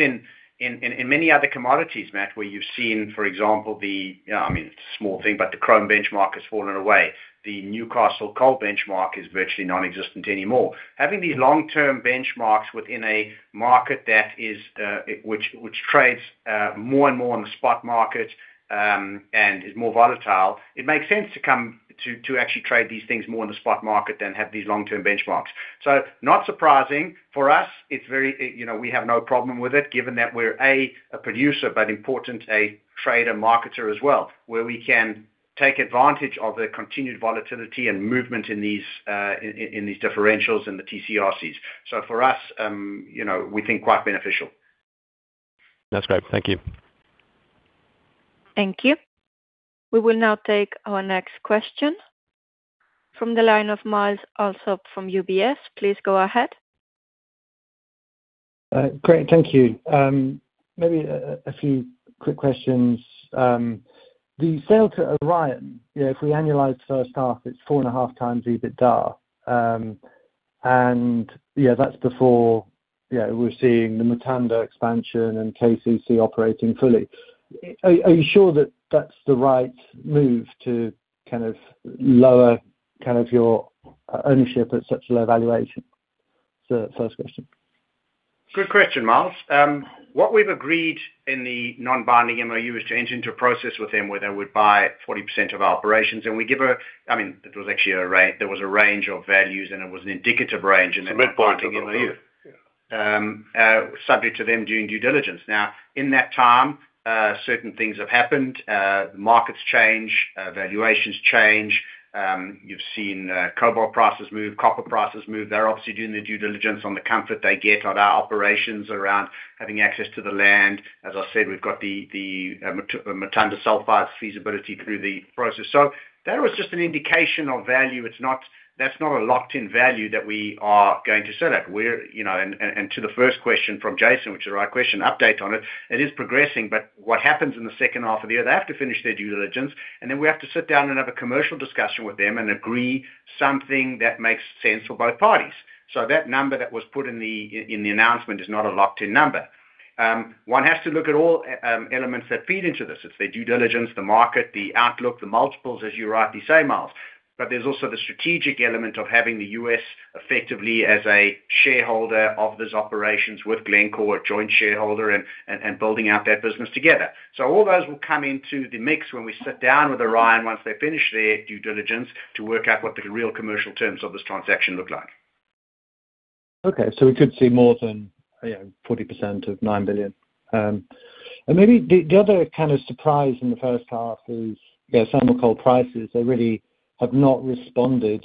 in many other commodities, Matt, where you've seen, for example, it's a small thing, but the chrome benchmark has fallen away. The Newcastle Coal benchmark is virtually non-existent anymore. Having these long-term benchmarks within a market which trades more and more on the spot market, and is more volatile, it makes sense to actually trade these things more in the spot market than have these long-term benchmarks. Not surprising. For us, we have no problem with it given that we're, A, a producer, but important, a trader marketer as well, where we can take advantage of the continued volatility and movement in these differentials in the TC/RCs. For us, we think quite beneficial. That's great. Thank you. Thank you. We will now take our next question from the line of Myles Allsop from UBS. Please go ahead. Great. Thank you. Maybe a few quick questions. The sale to Orion, if we annualize first half, it's four and a half times EBITDA. That's before we're seeing the Mutanda expansion and KCC operating fully. Are you sure that that's the right move to lower your ownership at such a low valuation? First question. Good question, Myles. What we've agreed in the non-binding MoU is to enter into a process with them where they would buy 40% of our operations. It was actually a range, there was a range of values, and it was an indicative range in that non-binding MoU. Subject to them doing due diligence. In that time, certain things have happened. Markets change, valuations change. You've seen cobalt prices move, copper prices move. They're obviously doing their due diligence on the comfort they get on our operations around having access to the land. As I said, we've got the Mutanda sulphides feasibility through the process. That was just an indication of value. That's not a locked-in value that we are going to sell at. To the first question from Jason, which is the right question, update on it. It is progressing. What happens in the second half of the year, they have to finish their due diligence, and then we have to sit down and have a commercial discussion with them and agree something that makes sense for both parties. That number that was put in the announcement is not a locked-in number. One has to look at all elements that feed into this. It's their due diligence, the market, the outlook, the multiples, as you rightly say, Myles. There's also the strategic element of having the U.S. effectively as a shareholder of this operations with Glencore, a joint shareholder, and building out that business together. All those will come into the mix when we sit down with Orion CMC once they finish their due diligence to work out what the real commercial terms of this transaction look like. Okay. We could see more than 40% of $9 billion. Maybe the other kind of surprise in the first half is thermal coal prices really have not responded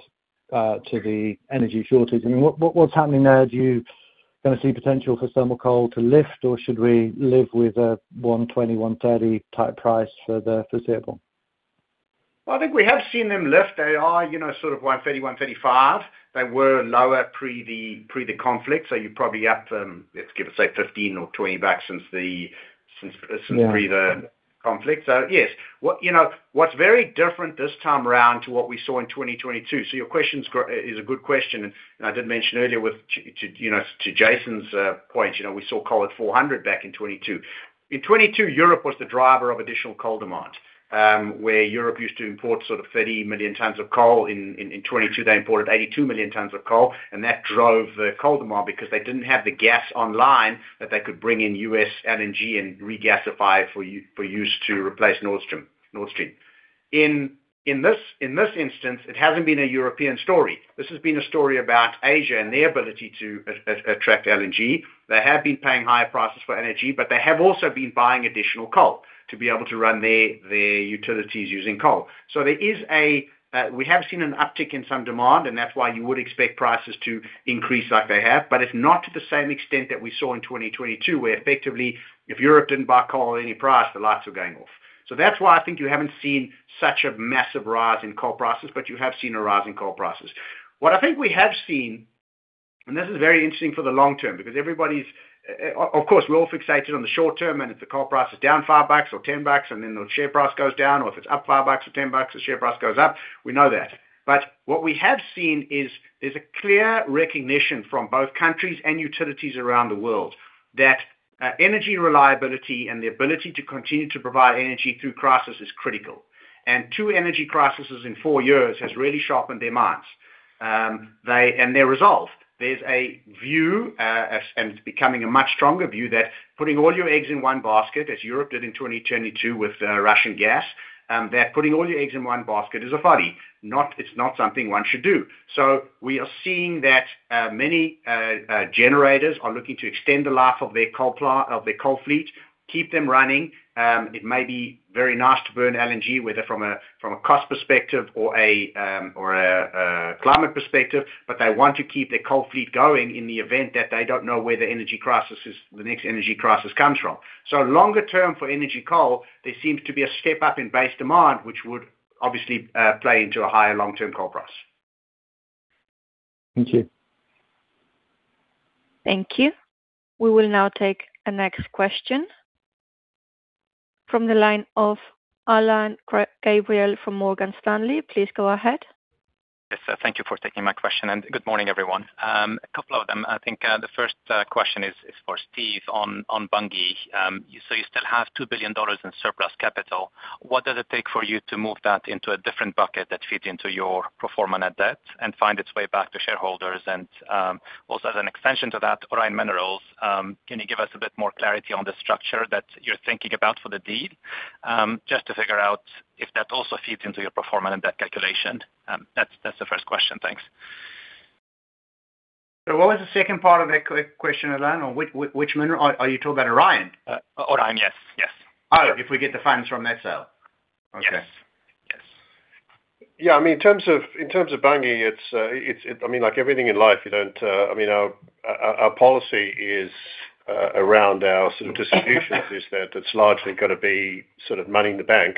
to the energy shortage. What's happening there? Do you see potential for thermal coal to lift, or should we live with a 120, 130 type price for the foreseeable? I think we have seen them lift. They are sort of 130, 135. They were lower pre the conflict. You're probably up, let's give it, say, 15 or 20 back since pre the conflict. Yes. What's very different this time around to what we saw in 2022, so your question is a good question, and I did mention earlier to Jason's point, we saw coal at 400 back in 2022. In 2022, Europe was the driver of additional coal demand, where Europe used to import sort of 30,000,000 tons of coal. In 2022, they imported 82,000,000 tons of coal, and that drove the coal demand because they didn't have the gas online that they could bring in U.S. LNG and regasify for use to replace Nord Stream. In this instance, it hasn't been a European story. This has been a story about Asia and their ability to attract LNG. They have been paying higher prices for LNG, but they have also been buying additional coal to be able to run their utilities using coal. We have seen an uptick in some demand, and that's why you would expect prices to increase like they have. It's not to the same extent that we saw in 2022, where effectively, if Europe didn't buy coal at any price, the lights were going off. That's why I think you haven't seen such a massive rise in coal prices, but you have seen a rise in coal prices. What I think we have seen, and this is very interesting for the long term, because Of course, we're all fixated on the short term, and if the coal price is down $5 or $10, and then the share price goes down, or if it's up $5 or $10, the share price goes up. We know that. What we have seen is there's a clear recognition from both countries and utilities around the world that energy reliability and the ability to continue to provide energy through crisis is critical. Two energy crises in four years has really sharpened their minds and their resolve. There's a view, and it's becoming a much stronger view, that putting all your eggs in one basket, as Europe did in 2022 with Russian gas, that putting all your eggs in one basket is a folly. It's not something one should do. We are seeing that many generators are looking to extend the life of their coal fleet, keep them running. It may be very nice to burn LNG, whether from a cost perspective or a climate perspective, they want to keep their coal fleet going in the event that they don't know where the next energy crisis comes from. Longer term for energy coal, there seems to be a step up in base demand, which would obviously play into a higher long-term coal price. Thank you. Thank you. We will now take a next question from the line of Alain Gabriel from Morgan Stanley. Please go ahead. Yes, thank you for taking my question, and good morning, everyone. A couple of them. I think the first question is for Steve on Bunge. You still have $2 billion in surplus capital. What does it take for you to move that into a different bucket that fits into your pro forma net debt and find its way back to shareholders? As an extension to that, Orion Minerals, can you give us a bit more clarity on the structure that you're thinking about for the deed? Just to figure out if that also feeds into your pro forma net debt calculation. That's the first question. Thanks. What was the second part of that question, Alain? Are you talking about Orion? Orion, yes. Oh, if we get the finance from that sale? Yes. Yeah. In terms of Bunge, like everything in life, our policy is around our distributions is that it is largely got to be money in the bank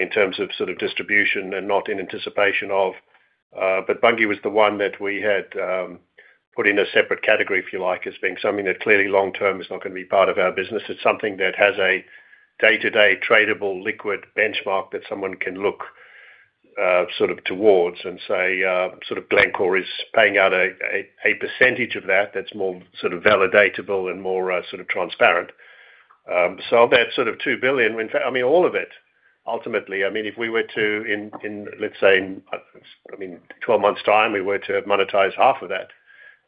in terms of distribution and not in anticipation of. Bunge was the one that we had put in a separate category, if you like, as being something that clearly long-term is not going to be part of our business. It is something that has a day-to-day tradable liquid benchmark that someone can look towards and say Glencore is paying out a percentage of that is more validatable and more transparent. So that sort of $2 billion. In fact, all of it, ultimately. If we were to, let us say, in 12 months time, we were to monetize half of that.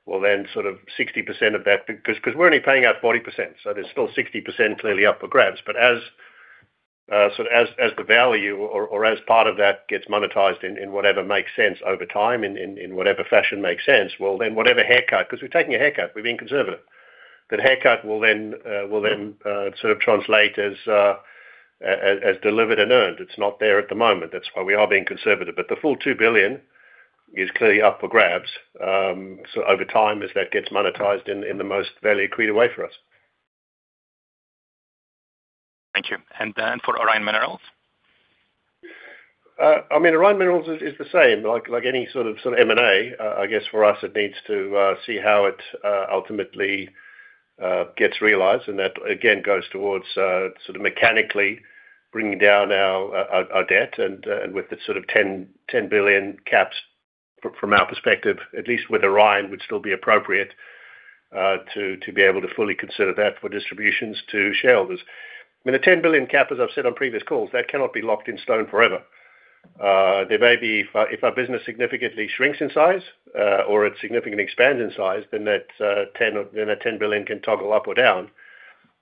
Well, then 60% of that, because we are only paying out 40%, so there is still 60% clearly up for grabs. As the value or as part of that gets monetized in whatever makes sense over time, in whatever fashion makes sense, well, then whatever haircut, because we are taking a haircut. We are being conservative. That haircut will then translate as delivered and earned. It is not there at the moment. That is why we are being conservative. The full $2 billion is clearly up for grabs. So over time, as that gets monetized in the most value-accreting way for us. Thank you. For Orion Minerals? Orion Minerals is the same. Like any sort of M&A, I guess for us, it needs to see how it ultimately gets realized, and that again goes towards mechanically bringing down our debt and with the sort of $10 billion caps from our perspective, at least with Orion, would still be appropriate to be able to fully consider that for distributions to shareholders. The $10 billion cap, as I have said on previous calls, that cannot be locked in stone forever. If our business significantly shrinks in size or it significantly expands in size, then that $10 billion can toggle up or down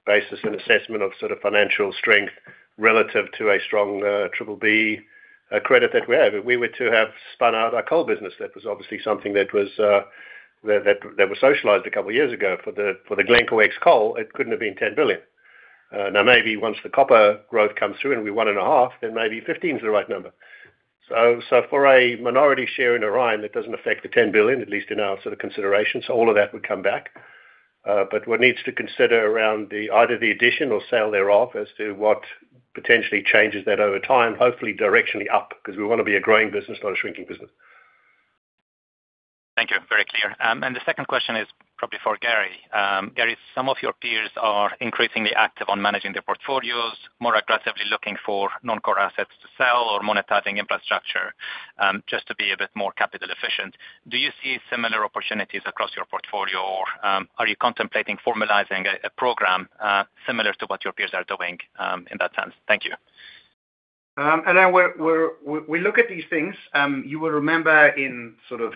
based as an assessment of financial strength relative to a strong BBB credit that we have. If we were to have spun out our coal business, that was obviously something that was socialized a couple of years ago for the Glencore ex coal, it couldn't have been $10 billion. Now maybe once the copper growth comes through and we one and a half, then maybe $15 billion is the right number. For a minority share in Orion, it doesn't affect the $10 billion, at least in our consideration. All of that would come back. What needs to consider around either the addition or sale thereof as to what potentially changes that over time, hopefully directionally up, because we want to be a growing business, not a shrinking business. Thank you. Very clear. The second question is probably for Gary. Gary, some of your peers are increasingly active on managing their portfolios, more aggressively looking for non-core assets to sell or monetizing infrastructure, just to be a bit more capital efficient. Do you see similar opportunities across your portfolio or are you contemplating formalizing a program similar to what your peers are doing in that sense? Thank you. Alain, we look at these things. You will remember in sort of,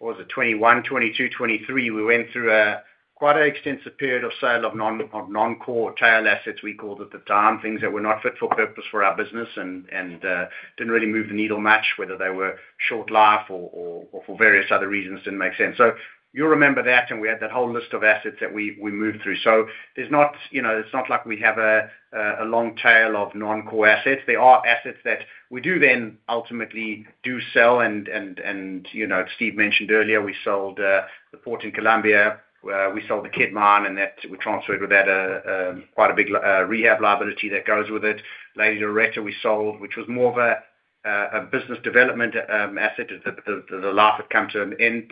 was it 2021, 2022, 2023, we went through quite an extensive period of sale of non-core tail assets, we called at the time, things that were not fit for purpose for our business and didn't really move the needle much, whether they were short life or for various other reasons didn't make sense. You'll remember that, and we had that whole list of assets that we moved through. It's not like we have a long tail of non-core assets. There are assets that we do then ultimately do sell and, as Steve mentioned earlier, we sold the port in Colombia, we sold the Kidd Mine, and that we transferred with that quite a big rehab liability that goes with it. Lady Loretta we sold, which was more of a business development asset. The life had come to an end,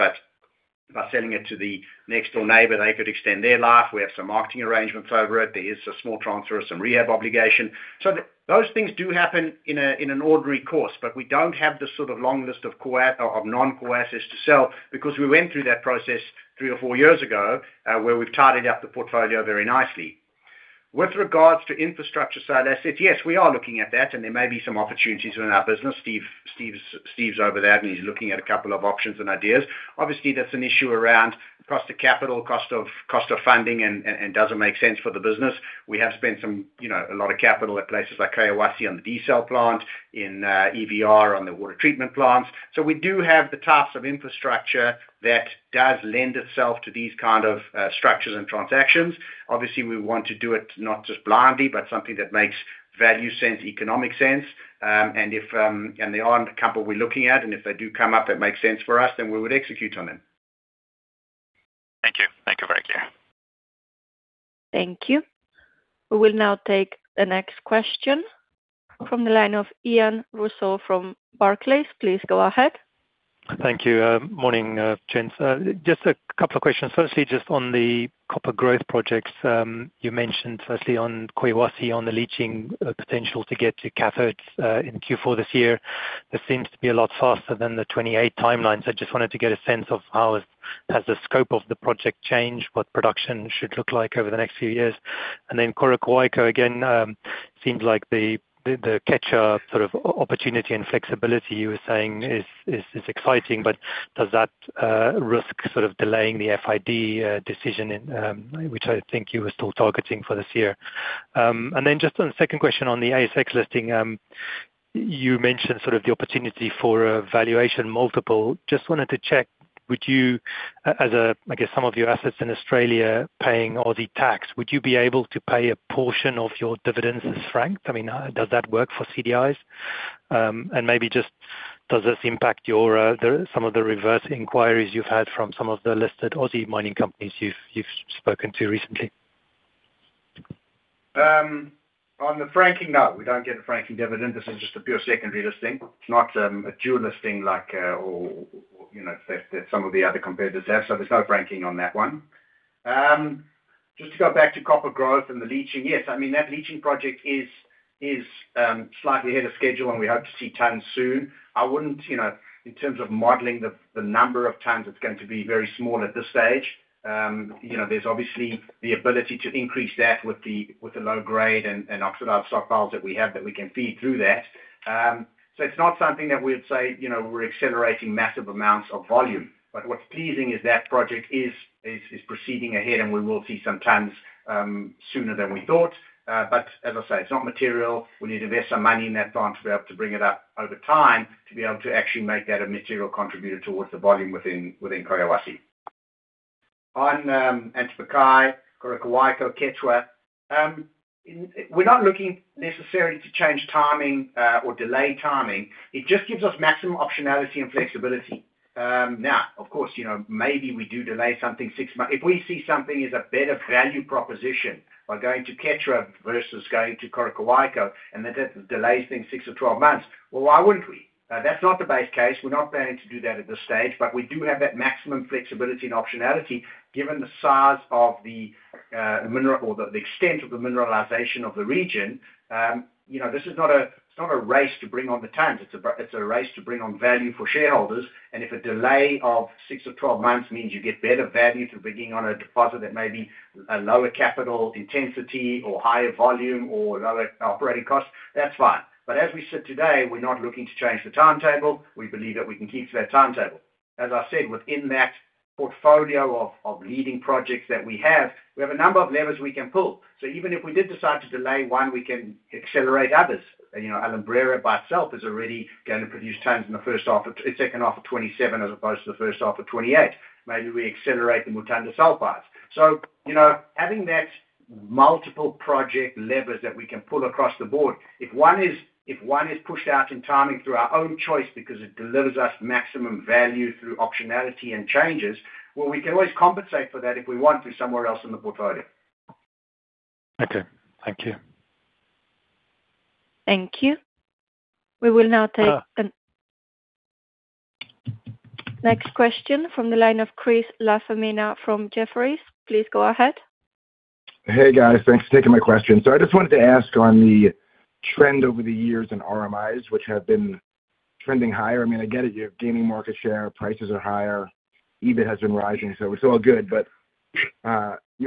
by selling it to the next door neighbor, they could extend their life. We have some marketing arrangements over it. There is a small transfer of some rehab obligation. Those things do happen in an ordinary course, we don't have the sort of long list of non-core assets to sell because we went through that process three or four years ago, where we've tidied up the portfolio very nicely. With regards to infrastructure side assets, yes, we are looking at that and there may be some opportunities within our business. Steve's over that and he's looking at a couple of options and ideas. Obviously, that's an issue around cost of capital, cost of funding and does it make sense for the business. We have spent a lot of capital at places like Collahuasi on the diesel plant, in EVR on the water treatment plants. We do have the types of infrastructure that does lend itself to these kind of structures and transactions. Obviously, we want to do it not just blindly, but something that makes value sense, economic sense. There aren't a couple we're looking at, and if they do come up, it makes sense for us, then we would execute on them. Thank you. Thank you. Very clear. Thank you. We will now take the next question from the line of Ian Rossouw from Barclays. Please go ahead. Thank you. Morning, gents. Just a couple of questions. Firstly, just on the copper growth projects. You mentioned firstly on Collahuasi, on the leaching potential to get to cathodes in Q4 this year. That seems to be a lot faster than the 2028 timelines. I just wanted to get a sense of how has the scope of the project changed, what production should look like over the next few years. Coroccohuayco, again, seems like the catch-up sort of opportunity and flexibility you were saying is exciting, but does that risk sort of delaying the FID decision, which I think you were still targeting for this year? Just on the second question on the ASX listing, you mentioned sort of the opportunity for a valuation multiple. Just wanted to check Would you, as some of your assets in Australia paying Aussie tax, would you be able to pay a portion of your dividends as franked? Does that work for CDIs? Maybe just does this impact some of the reverse inquiries you've had from some of the listed Aussie mining companies you've spoken to recently? No, we don't get a franking dividend. This is just a pure secondary listing. It's not a dual listing like some of the other competitors have, there's no franking on that one. Just to go back to copper growth and the leaching. That leaching project is slightly ahead of schedule, and we hope to see tons soon. I wouldn't, in terms of modeling the number of tons, it's going to be very small at this stage. There's obviously the ability to increase that with the low grade and oxidized stockpiles that we have that we can feed through that. It's not something that we would say we're accelerating massive amounts of volume. What's pleasing is that project is proceeding ahead, and we will see some tons sooner than we thought. As I say, it's not material. We need to invest some money in that plant to be able to bring it up over time to be able to actually make that a material contributor towards the volume within Collahuasi. On Antapaccay, Coroccohuayco, Quechua, we're not looking necessarily to change timing or delay timing. It just gives us maximum optionality and flexibility. Now, of course, maybe we do delay something six months. If we see something is a better value proposition by going to Quechua versus going to Coroccohuayco, and that delays things six or 12 months, why wouldn't we? That's not the base case. We're not planning to do that at this stage, we do have that maximum flexibility and optionality given the size of the mineral or the extent of the mineralization of the region. This is not a race to bring on the tons. It's a race to bring on value for shareholders. If a delay of six or 12 months means you get better value for bringing on a deposit that may be a lower capital intensity or higher volume or lower operating costs, that's fine. As we sit today, we're not looking to change the timetable. We believe that we can keep to that timetable. As I said, within that portfolio of leading projects that we have, we have a number of levers we can pull. Even if we did decide to delay one, we can accelerate others. Alumbrera by itself is already going to produce tons in the second half of 2027 as opposed to the first half of 2028. Maybe we accelerate the Mutanda sulfides. Having that multiple project levers that we can pull across the board, if one is pushed out in timing through our own choice because it delivers us maximum value through optionality and changes, well, we can always compensate for that if we want to somewhere else in the portfolio. Okay. Thank you. Thank you. We will now take the next question from the line of Chris LaFemina from Jefferies. Please go ahead. Hey, guys. Thanks for taking my question. I just wanted to ask on the trend over the years in RMIs, which have been trending higher. I get it, you're gaining market share, prices are higher, EBIT has been rising, it's all good.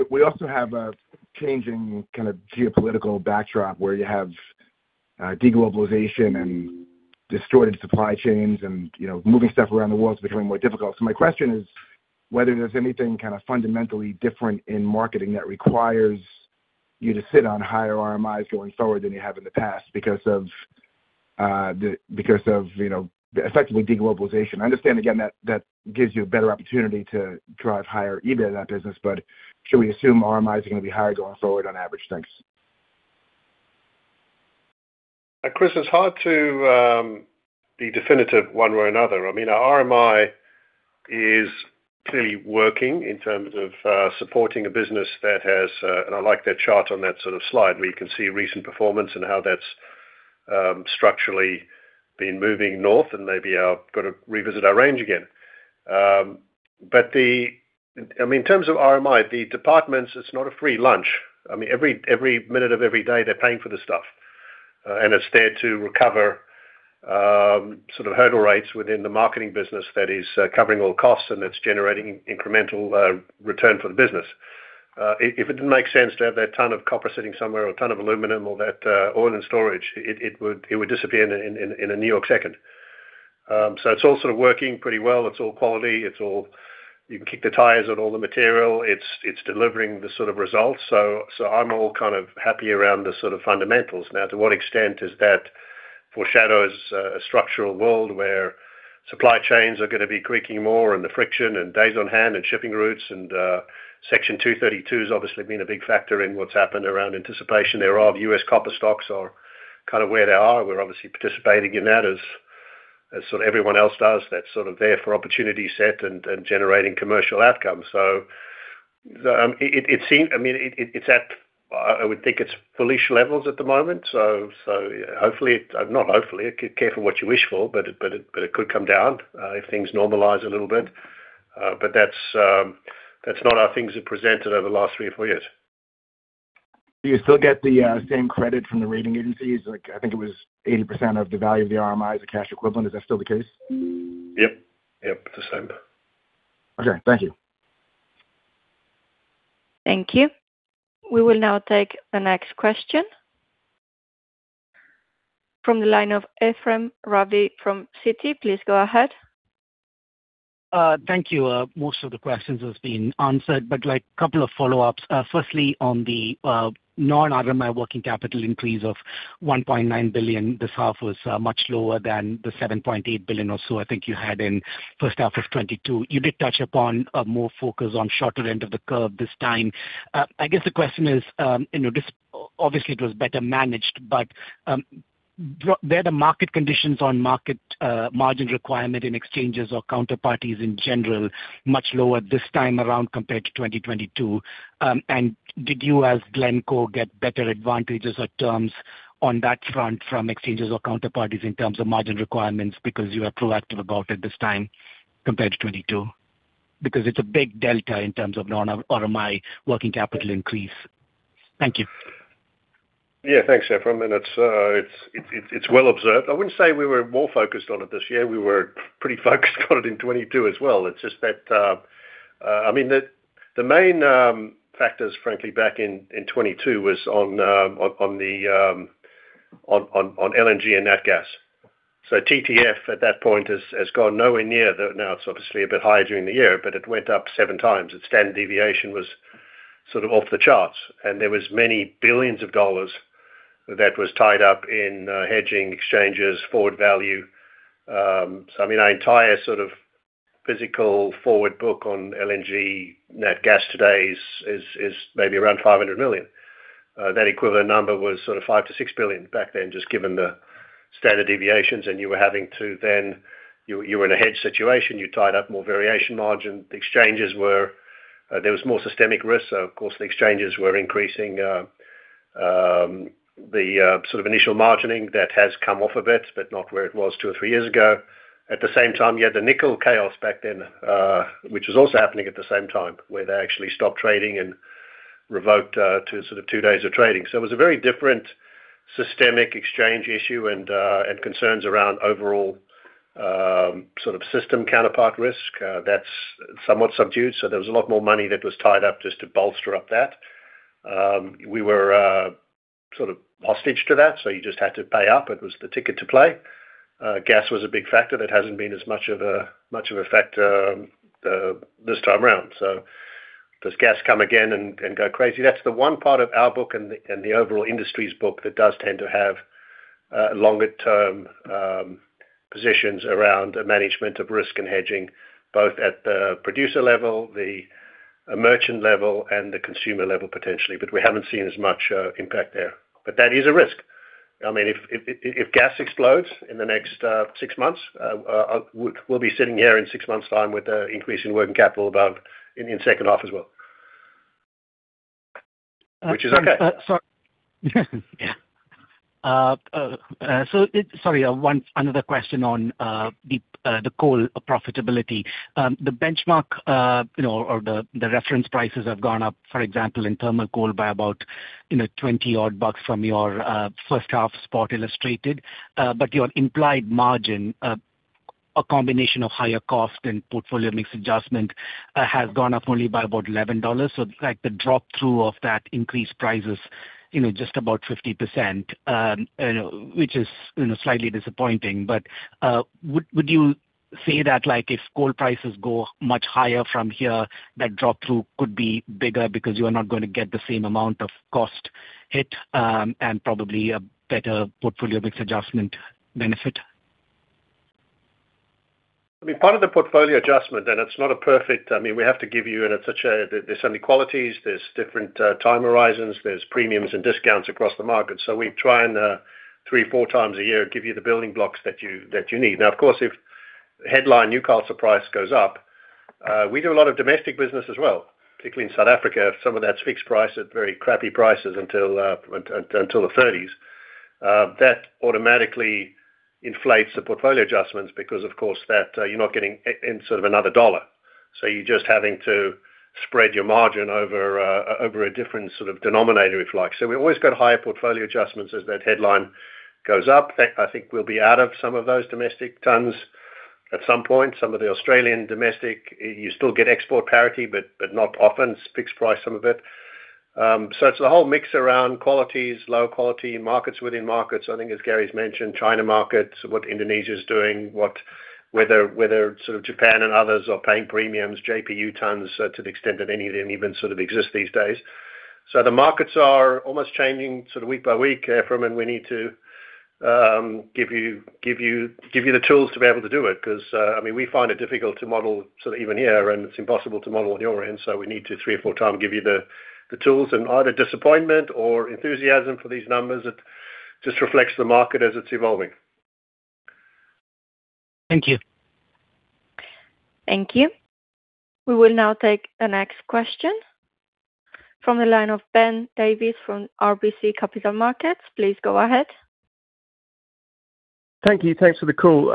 We also have a changing kind of geopolitical backdrop where you have de-globalization and distorted supply chains and moving stuff around the world is becoming more difficult. My question is whether there's anything kind of fundamentally different in marketing that requires you to sit on higher RMIs going forward than you have in the past because of effectively de-globalization. I understand, again, that that gives you a better opportunity to drive higher EBIT in that business. Should we assume RMIs are going to be higher going forward on average? Thanks. Chris, it's hard to be definitive one way or another. I mean, our RMI is clearly working in terms of supporting a business. I like that chart on that sort of slide where you can see recent performance and how that's structurally been moving north and maybe I've got to revisit our range again. In terms of RMI, the departments, it's not a free lunch. I mean, every minute of every day they're paying for the stuff. It's there to recover sort of hurdle rates within the marketing business that is covering all costs and it's generating incremental return for the business. If it didn't make sense to have that ton of copper sitting somewhere or ton of aluminum or that oil in storage, it would disappear in a New York second. It's all sort of working pretty well. It's all quality. You can kick the tires on all the material. It's delivering the sort of results. I'm all kind of happy around the sort of fundamentals. Now, to what extent does that foreshadow a structural world where supply chains are going to be creaking more and the friction and days on hand and shipping routes and, Section 232 has obviously been a big factor in what's happened around anticipation thereof. U.S. copper stocks are kind of where they are. We're obviously participating in that as sort of everyone else does. That's sort of there for opportunity set and generating commercial outcomes. I would think it's [Felicia] levels at the moment. Hopefully, not hopefully, careful what you wish for, but it could come down if things normalize a little bit. That's not how things have presented over the last three or four years. Do you still get the same credit from the rating agencies? I think it was 80% of the value of the RMI is a cash equivalent. Is that still the case? Yep. It's the same. Okay. Thank you. Thank you. We will now take the next question from the line of Ephrem Ravi from Citi. Please go ahead. Thank you. Most of the questions has been answered, but couple of follow-ups. Firstly, on the non-RMI working capital increase of $1.9 billion this half was much lower than the $7.8 billion or so I think you had in first half of 2022. You did touch upon more focus on shorter end of the curve this time. I guess the question is, obviously it was better managed, but were the market conditions on market margin requirement in exchanges or counterparties in general much lower this time around compared to 2022? Did you, as Glencore, get better advantages or terms on that front from exchanges or counterparties in terms of margin requirements because you are proactive about it this time compared to 2022? Because it's a big delta in terms of non-RMI working capital increase. Thank you. Yeah, thanks, Ephrem. It's well observed. I wouldn't say we were more focused on it this year. We were pretty focused on it in 2022 as well. It's just that the main factors, frankly, back in 2022 was on LNG and nat gas. TTF at that point has gone nowhere near, now it's obviously a bit higher during the year, but it went up seven times. Its standard deviation was sort of off the charts, and there was many billions of dollars that was tied up in hedging exchanges, forward value. Our entire sort of physical forward book on LNG nat gas today is maybe around $500 million. That equivalent number was sort of $5 billion-$6 billion back then, just given the standard deviations, and you were having to then, you were in a hedge situation, you tied up more variation margin. There was more systemic risk, of course the exchanges were increasing the sort of initial margining. That has come off a bit, but not where it was two or three years ago. At the same time, you had the nickel chaos back then, which was also happening at the same time, where they actually stopped trading and revoked two sort of two days of trading. It was a very different systemic exchange issue and concerns around overall sort of system counterpart risk. That's somewhat subdued. There was a lot more money that was tied up just to bolster up that. We were sort of hostage to that, so you just had to pay up. It was the ticket to play. Gas was a big factor that hasn't been as much of a factor this time around. Does gas come again and go crazy? That's the one part of our book and the overall industries book that does tend to have longer term positions around management of risk and hedging, both at the producer level, the merchant level, and the consumer level, potentially. We haven't seen as much impact there. That is a risk. I mean, if gas explodes in the next six months, we'll be sitting here in six months' time with an increase in working capital above in second half as well. Which is okay. Sorry. Sorry, one other question on the coal profitability. The benchmark or the reference prices have gone up, for example, in thermal coal by about 20-odd bucks from your first half spot illustrated. Your implied margin, a combination of higher cost and portfolio mix adjustment, has gone up only by about $11. Like the drop-through of that increased price is just about 50%, which is slightly disappointing. Would you say that, if coal prices go much higher from here, that drop-through could be bigger because you are not going to get the same amount of cost hit, and probably a better portfolio mix adjustment benefit? I mean, part of the portfolio adjustment. I mean, we have to give you and there's only qualities, there's different time horizons, there's premiums and discounts across the market. We try and, three, four times a year, give you the building blocks that you need. Now, of course, if headline Newcastle price goes up, we do a lot of domestic business as well, particularly in South Africa. Some of that's fixed price at very crappy prices until the 30s. That automatically inflates the portfolio adjustments because, of course, that you're not getting in sort of another dollar. You're just having to spread your margin over a different sort of denominator, if you like. We always got higher portfolio adjustments as that headline goes up. I think we'll be out of some of those domestic tons at some point, some of the Australian domestic, you still get export parity, but not often, it's fixed price, some of it. It's a whole mix around qualities, low quality markets within markets. I think, as Gary's mentioned, China markets, what Indonesia's doing, whether sort of Japan and others are paying premiums, JPU tons, to the extent that any of them even sort of exist these days. The markets are almost changing sort of week by week, Ephrem, and we need to give you the tools to be able to do it, because, I mean, we find it difficult to model sort of even here, and it's impossible to model on your end. We need to three or four times give you the tools and either disappointment or enthusiasm for these numbers. It just reflects the market as it's evolving. Thank you. Thank you. We will now take the next question from the line of Ben Davis from RBC Capital Markets. Please go ahead. Thank you. Thanks for the call.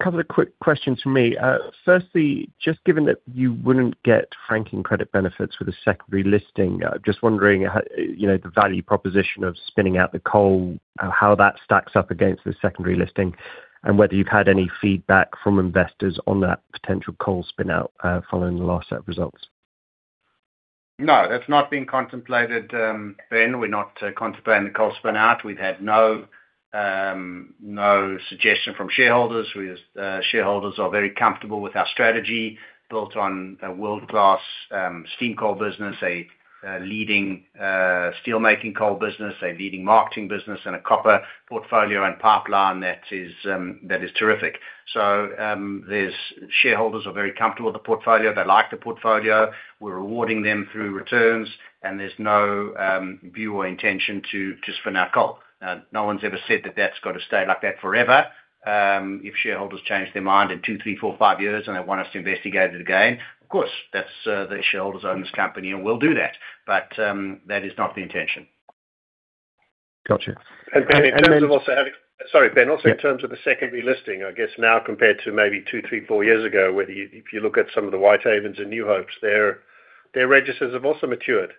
Couple of quick questions from me. Firstly, just given that you wouldn't get franking credit benefits with a secondary listing, just wondering the value proposition of spinning out the coal, how that stacks up against the secondary listing and whether you've had any feedback from investors on that potential coal spin-out, following the last set of results. No, that's not been contemplated, Ben. We're not contemplating the coal spin out. We've had no suggestion from shareholders. Shareholders are very comfortable with our strategy built on a world-class steam coal business, a leading steelmaking coal business, a leading marketing business, and a copper portfolio and pipeline that is terrific. Shareholders are very comfortable with the portfolio. They like the portfolio. We're rewarding them through returns. There's no view or intention to just spin out coal. No one's ever said that that's got to stay like that forever. If shareholders change their mind in two, three, four, five years and they want us to investigate it again, of course, the shareholders own this company and we'll do that. That is not the intention. Got you. Then- Sorry, Ben. In terms of the secondary listing, I guess now compared to maybe two, three, four years ago, if you look at some of the Whitehaven and New Hope, their registers have also matured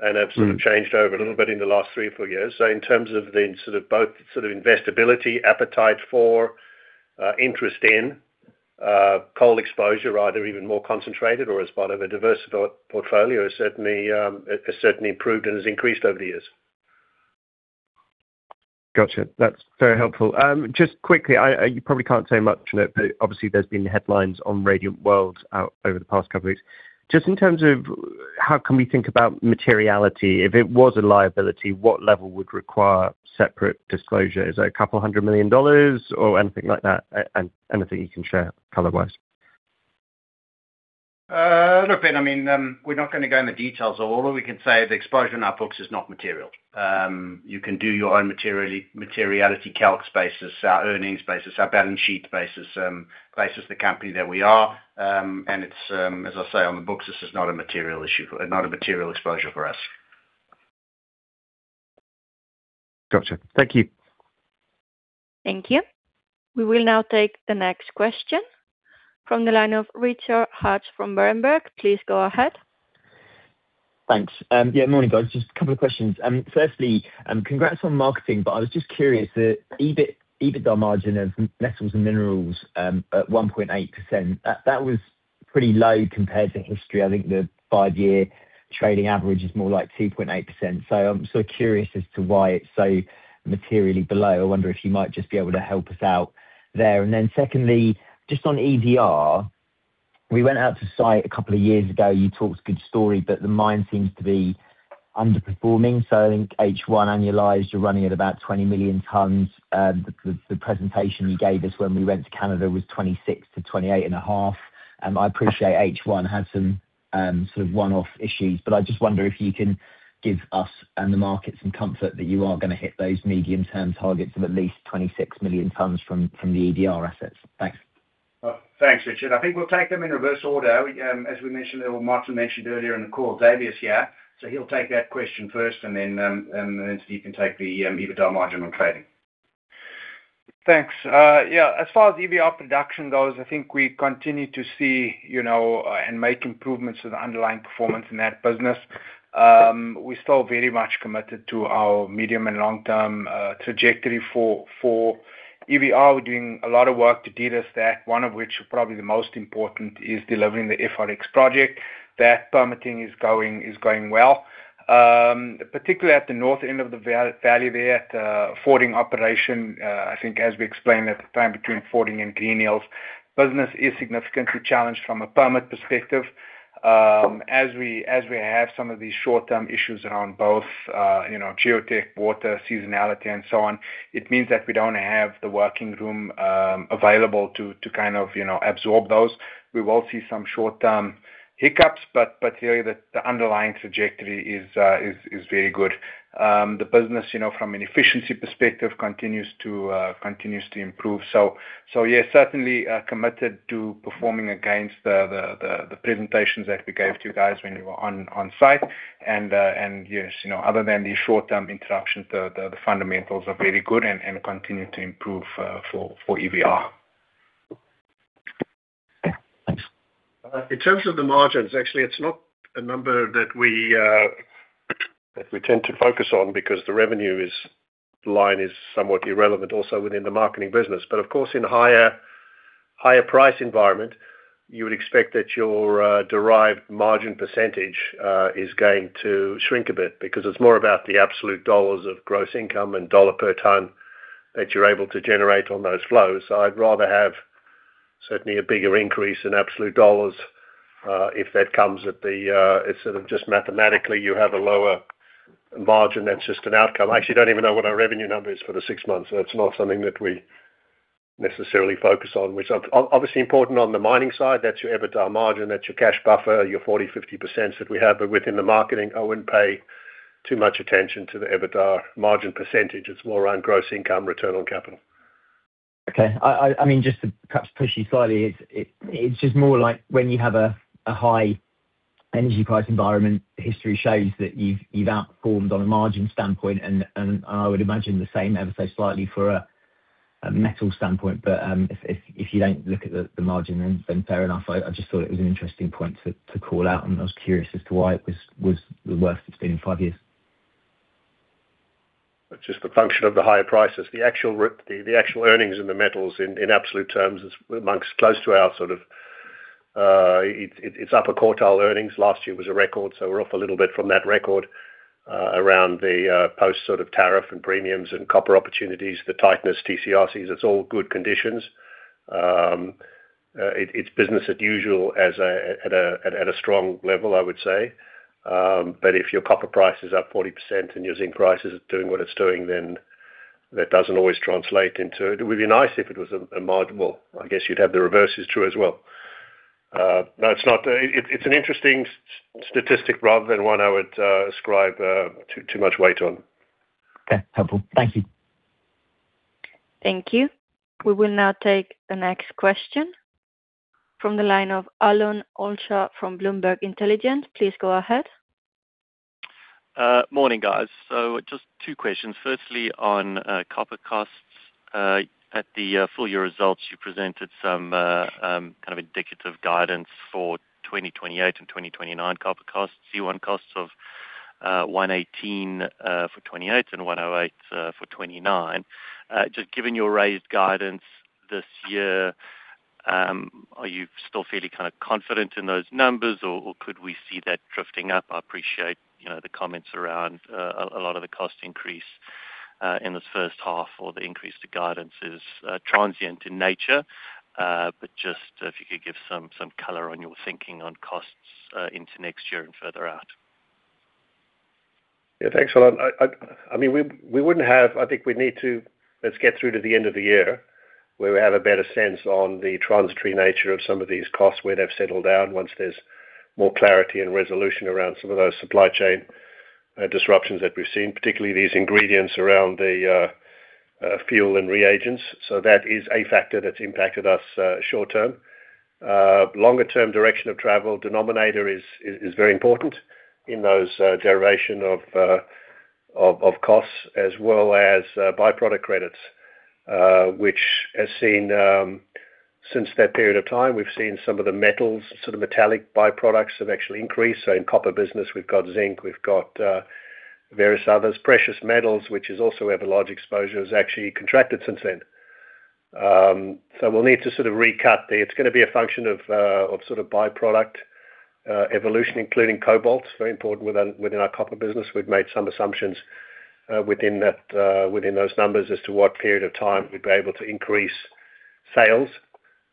and have sort of changed over a little bit in the last three or four years. In terms of the sort of both investability appetite for interest in coal exposure, either even more concentrated or as part of a diverse portfolio, has certainly improved and has increased over the years. Got you. That's very helpful. Just quickly, you probably can't say much on it, but obviously there's been headlines on Radiant World out over the past couple of weeks. Just in terms of how can we think about materiality. If it was a liability, what level would require separate disclosure? Is it a couple hundred million dollars or anything like that? Anything you can share color-wise. Look, Ben, we're not going to go into the details. All we can say is exposure on our books is not material. You can do your own materiality calc basis, our earnings basis, our balance sheet basis the company that we are. As I say, on the books, this is not a material exposure for us. Got you. Thank you. Thank you. We will now take the next question from the line of Richard Hatch from Berenberg. Please go ahead. Thanks. Yeah, morning, guys. Just a couple of questions. Firstly, congrats on marketing, but I was just curious, the EBITDA margin of Metals and Minerals, at 1.8%, that was pretty low compared to history. I think the five-year trailing average is more like 2.8%. I'm sort of curious as to why it's so materially below. I wonder if you might just be able to help us out there. Secondly, just on EVR, we went out to site a couple of years ago. You talked a good story, but the mine seems to be underperforming. I think H1 annualized, you're running at about 20,000,000 tons. The presentation you gave us when we went to Canada was 26,000,000 tons-28,500,000 tons. I appreciate H1 had some sort of one-off issues, but I just wonder if you can give us and the market some comfort that you are going to hit those medium-term targets of at least 26,000,000 tons from the EVR assets. Thanks. Thanks, Richard. I think we'll take them in reverse order. As Martin mentioned earlier in the call, Xavier is here, so he'll take that question first and then Steve can take the EBITDA margin on trading. Thanks. As far as EVR production goes, I think we continue to see and make improvements to the underlying performance in that business. We're still very much committed to our medium and long-term trajectory for EVR. We're doing a lot of work to de-risk that, one of which, probably the most important, is delivering the FRX Project. That permitting is going well. Particularly at the north end of the valley there at Fording operation, I think as we explained at the time, between Fording and Greenhills, business is significantly challenged from a permit perspective. As we have some of these short-term issues around both geotech, water, seasonality, and so on, it means that we don't have the working room available to absorb those. We will see some short-term hiccups, but the underlying trajectory is very good. The business, from an efficiency perspective, continues to improve. Certainly committed to performing against the presentations that we gave to you guys when you were on site. Yes, other than the short-term interruptions, the fundamentals are very good and continue to improve for EVR. In terms of the margins, actually, it's not a number that we tend to focus on because the revenue line is somewhat irrelevant also within the marketing business. Of course, in a higher price environment, you would expect that your derived margin percentage is going to shrink a bit because it's more about the absolute dollars of gross income and dollar per tonne that you're able to generate on those flows. I'd rather have certainly a bigger increase in absolute dollars if that comes at the, just mathematically you have a lower margin, that's just an outcome. I actually don't even know what our revenue number is for the six months. That's not something that we necessarily focus on. Obviously important on the mining side, that's your EBITDA margin, that's your cash buffer, your 40%, 50% that we have. Within the marketing, I wouldn't pay too much attention to the EBITDA margin percentage. It's more around gross income, return on capital. Okay. Just to perhaps push you slightly, it's just more like when you have a high energy price environment, history shows that you've outperformed on a margin standpoint, and I would imagine the same ever so slightly for a metal standpoint. If you don't look at the margin, then fair enough. I just thought it was an interesting point to call out, and I was curious as to why it was the worst it's been in five years. It's just the function of the higher prices. The actual earnings in the metals in absolute terms is amongst It's upper quartile earnings. Last year was a record, so we're off a little bit from that record around the post tariff and premiums and copper opportunities, the tightness, TC/RCs, it's all good conditions. It's business as usual at a strong level, I would say. If your copper price is up 40% and your zinc price is doing what it's doing, then that doesn't always translate into It would be nice if it was a marginal. I guess you'd have the reverses true as well. It's an interesting statistic rather than one I would ascribe too much weight on. Okay. Helpful. Thank you. Thank you. We will now take the next question from the line of Alon Olsha from Bloomberg Intelligence. Please go ahead. Morning, guys. Just two questions. Firstly, on copper costs. At the full year results, you presented some kind of indicative guidance for 2028 and 2029 copper costs, C1 costs of 118 for 2028 and 108 for 2029. Just given your raised guidance this year, are you still fairly confident in those numbers or could we see that drifting up? I appreciate the comments around a lot of the cost increase, in this first half or the increase to guidance is transient in nature. Just if you could give some color on your thinking on costs into next year and further out. Yeah, thanks, Alon. I think we need to just get through to the end of the year, where we have a better sense on the transitory nature of some of these costs, where they've settled down once there's more clarity and resolution around some of those supply chain disruptions that we've seen, particularly these ingredients around the fuel and reagents. That is a factor that's impacted us short term. Longer-term direction of travel denominator is very important in those generation of costs as well as byproduct credits, which since that period of time, we've seen some of the metals, metallic byproducts have actually increased. In copper business, we've got zinc, we've got various others. Precious metals, which is also we have a large exposure, has actually contracted since then. We'll need to sort of recut there. It's going to be a function of byproduct evolution, including cobalt. It's very important within our copper business. We've made some assumptions within those numbers as to what period of time we'd be able to increase sales,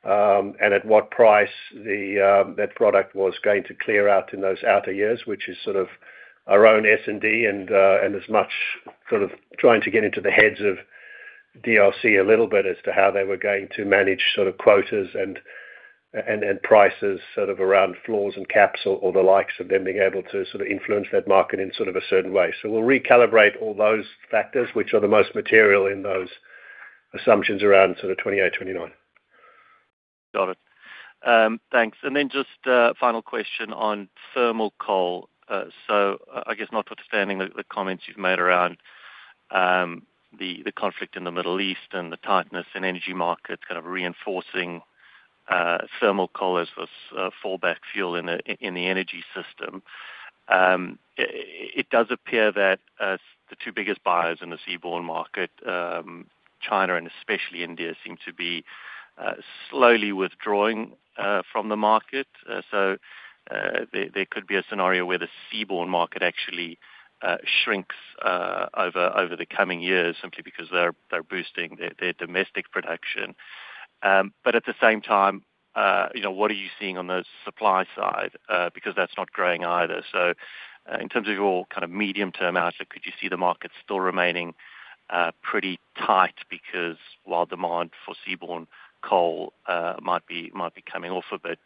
and at what price that product was going to clear out in those outer years, which is our own S&D and as much trying to get into the heads of DRC a little bit as to how they were going to manage quotas and prices around floors and caps or the likes of them being able to influence that market in a certain way. We'll recalibrate all those factors, which are the most material in those assumptions around 2028, 2029. Got it. Thanks. Just a final question on thermal coal. I guess notwithstanding the comments you've made around the conflict in the Middle East and the tightness in energy markets kind of reinforcing thermal coal as this fallback fuel in the energy system. It does appear that the two biggest buyers in the seaborne market, China and especially India, seem to be slowly withdrawing from the market. There could be a scenario where the seaborne market actually shrinks over the coming years simply because they're boosting their domestic production. At the same time, what are you seeing on the supply side? Because that's not growing either. In terms of your kind of medium-term outlook, could you see the market still remaining pretty tight because while demand for seaborne coal might be coming off a bit,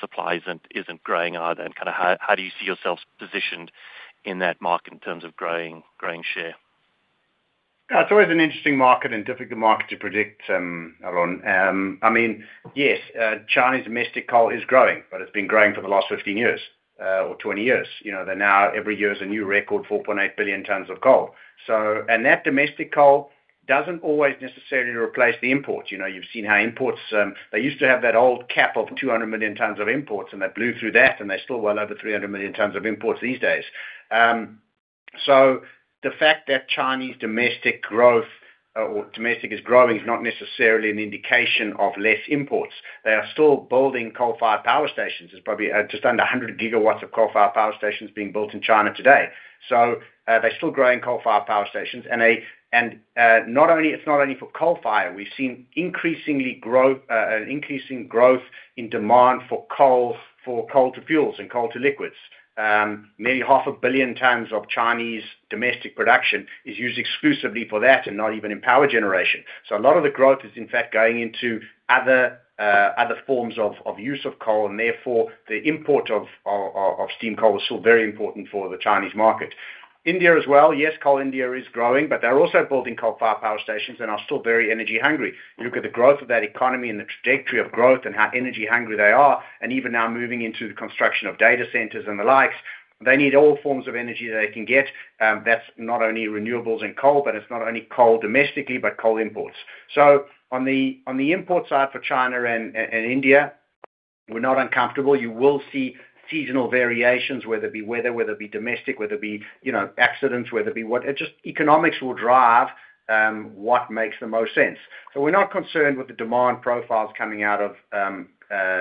supply isn't growing either? How do you see yourselves positioned in that market in terms of growing share? It's always an interesting market and difficult market to predict, Alon. Chinese domestic coal is growing, but it's been growing for the last 15 years or 20 years. Now every year is a new record, 4,800,000,000 tons of coal. That domestic coal doesn't always necessarily replace the imports. You've seen how imports. They used to have that old cap of 200,000,000 tons of imports, and they blew through that, and they're still well over 300,000,000 tons of imports these days. The fact that Chinese domestic growth or domestic is growing is not necessarily an indication of less imports. They are still building coal-fired power stations. There's probably just under 100 GW of coal-fired power stations being built in China today. They're still growing coal-fired power stations. It's not only for coal fire. We've seen increasing growth in demand for coal to fuels and coal to liquids. Nearly 500,000,000 tons of Chinese domestic production is used exclusively for that and not even in power generation. A lot of the growth is in fact going into other forms of use of coal, and therefore the import of steam coal is still very important for the Chinese market. India as well. Coal India is growing, but they're also building coal-fired power stations and are still very energy hungry. You look at the growth of that economy and the trajectory of growth and how energy hungry they are, and even now moving into the construction of data centers and the likes, they need all forms of energy they can get. That's not only renewables and coal, but it's not only coal domestically, but coal imports. On the import side for China and India We're not uncomfortable. You will see seasonal variations, whether it be weather, whether it be domestic, whether it be accidents, whether it be what. It's just economics will drive what makes the most sense. We're not concerned with the demand profiles coming out of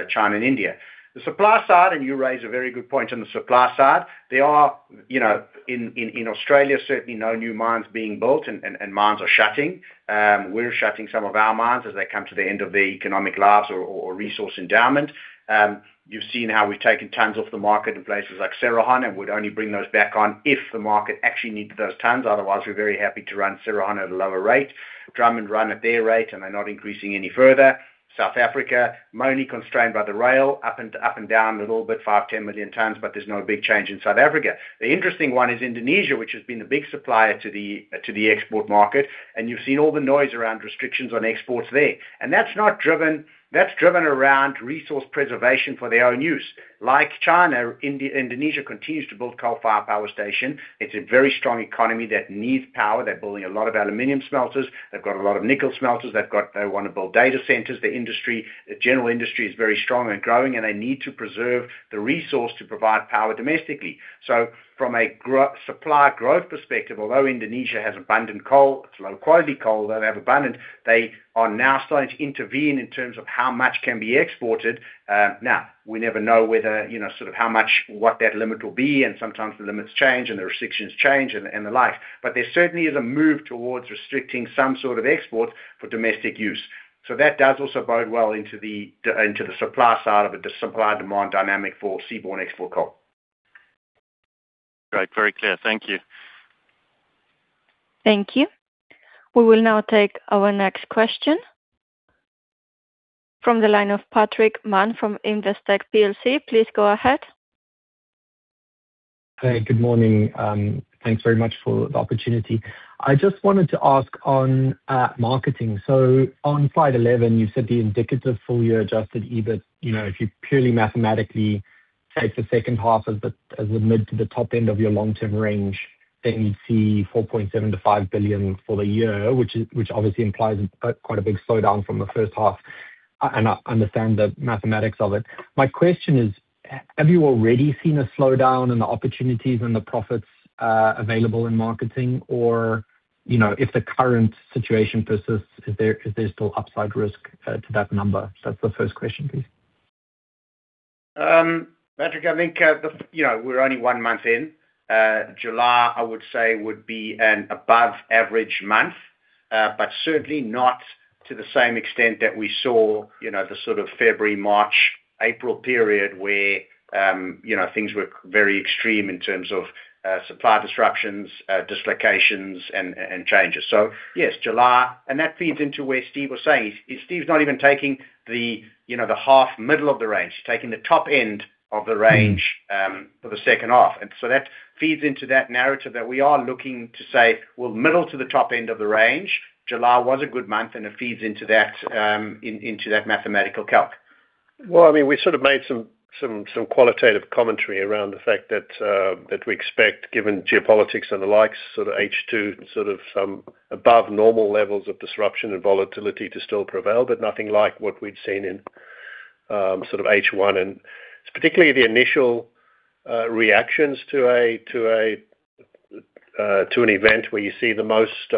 China and India. The supply side, and you raise a very good point on the supply side. There are, in Australia, certainly no new mines being built and mines are shutting. We're shutting some of our mines as they come to the end of their economic lives or resource endowment. You've seen how we've taken tons off the market in places like Cerrejón, and we'd only bring those back on if the market actually needed those tons. Otherwise, we're very happy to run Cerrejón at a lower rate. Drummond run at their rate, and they're not increasing any further. South Africa, mainly constrained by the rail, up and down a little bit, 5,000,000 ton, 10,000,000 tons, but there's no big change in South Africa. The interesting one is Indonesia, which has been the big supplier to the export market, and you've seen all the noise around restrictions on exports there. That's driven around resource preservation for their own use. Like China, Indonesia continues to build coal-fired power station. It's a very strong economy that needs power. They're building a lot of aluminum smelters. They've got a lot of nickel smelters. They want to build data centers. The general industry is very strong and growing, and they need to preserve the resource to provide power domestically. From a supply growth perspective, although Indonesia has abundant coal, it's low-quality coal, they have abundant, they are now starting to intervene in terms of how much can be exported. We never know sort of how much, what that limit will be, and sometimes the limits change and the restrictions change and the like. There certainly is a move towards restricting some sort of exports for domestic use. That does also bode well into the supply side of it, the supply-demand dynamic for seaborne export coal. Great. Very clear. Thank you. Thank you. We will now take our next question from the line of Patrick Mann from Investec PLC. Please go ahead. Hey, good morning. Thanks very much for the opportunity. I just wanted to ask on marketing. On slide 11, you said the indicative full year adjusted EBIT, if you purely mathematically take the second half as the mid to the top end of your long-term range, then you'd see $4.7 billion-$5 billion for the year, which obviously implies quite a big slowdown from the first half. I understand the mathematics of it. My question is, have you already seen a slowdown in the opportunities and the profits available in marketing? Or if the current situation persists, is there still upside risk to that number? That's the first question, please. Patrick, I think we're only one month in. July, I would say, would be an above average month. Certainly not to the same extent that we saw the sort of February, March, April period where things were very extreme in terms of supply disruptions, dislocations and changes. Yes, July. That feeds into where Steve was saying. Steve's not even taking the half middle of the range. He's taking the top end of the range.for the second half. That feeds into that narrative that we are looking to say, well, middle to the top end of the range, July was a good month, it feeds into that mathematical calc. We sort of made some qualitative commentary around the fact that we expect, given geopolitics and the likes, sort of H2, sort of some above normal levels of disruption and volatility to still prevail, but nothing like what we'd seen in sort of H1. It's particularly the initial reactions to an event where you see the most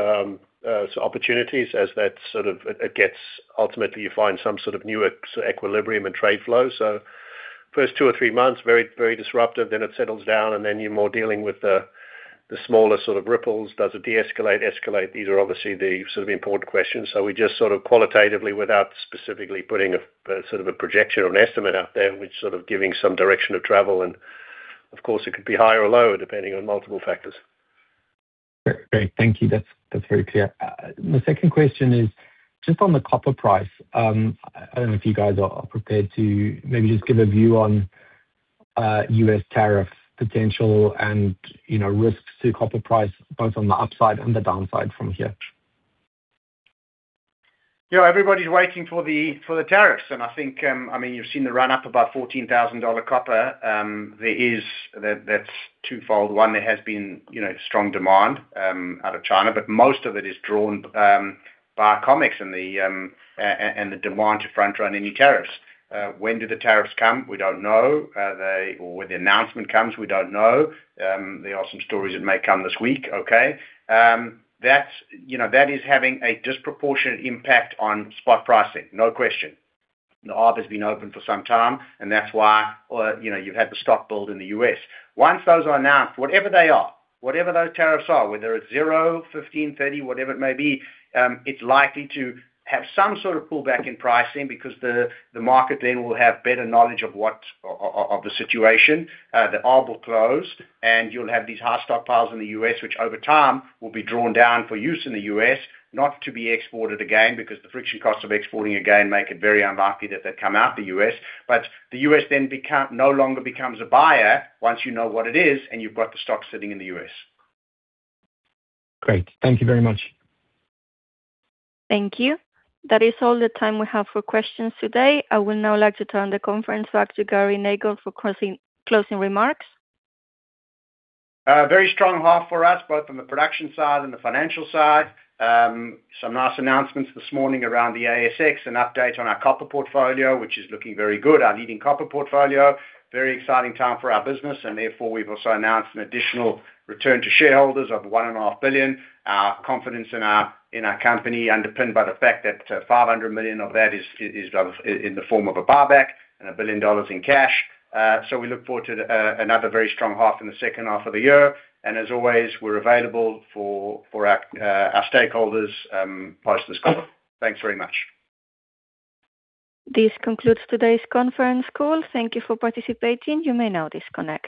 opportunities as that sort of, it gets, ultimately, you find some sort of new equilibrium in trade flow. First two or three months, very disruptive, then it settles down, then you're more dealing with the smaller sort of ripples. Does it deescalate, escalate? These are obviously the sort of important questions. We just sort of qualitatively, without specifically putting a sort of a projection or an estimate out there, we're sort of giving some direction of travel, of course, it could be higher or lower, depending on multiple factors. Great. Thank you. That's very clear. The second question is just on the copper price. I don't know if you guys are prepared to maybe just give a view on U.S. tariff potential and risks to copper price, both on the upside and the downside from here. Everybody's waiting for the tariffs, I think, you've seen the run-up above $14,000 copper. That's twofold. One, there has been strong demand out of China, most of it is drawn by COMEX and the demand to front-run any tariffs. When do the tariffs come? We don't know. When the announcement comes, we don't know. There are some stories it may come this week. Okay. That is having a disproportionate impact on spot pricing. No question. The arb has been open for some time, and that's why you've had the stock build in the U.S. Once those are announced, whatever they are, whatever those tariffs are, whether it's zero, 15, 30, whatever it may be, it's likely to have some sort of pullback in pricing because the market then will have better knowledge of the situation. The arb will close, and you'll have these high stockpiles in the U.S., which over time will be drawn down for use in the U.S., not to be exported again, because the friction costs of exporting again make it very unlikely that they'd come out the U.S. The U.S. then no longer becomes a buyer once you know what it is and you've got the stock sitting in the U.S. Great. Thank you very much. Thank you. That is all the time we have for questions today. I would now like to turn the conference back to Gary Nagle for closing remarks. A very strong half for us, both on the production side and the financial side. Some nice announcements this morning around the ASX, an update on our copper portfolio, which is looking very good, our leading copper portfolio. Very exciting time for our business, and therefore we've also announced an additional return to shareholders of $1.5 billion. Our confidence in our company underpinned by the fact that $500 million of that is in the form of a buyback and $1 billion in cash. We look forward to another very strong half in the second half of the year. As always, we're available for our stakeholders, partners, customers. Thanks very much. This concludes today's conference call. Thank you for participating. You may now disconnect.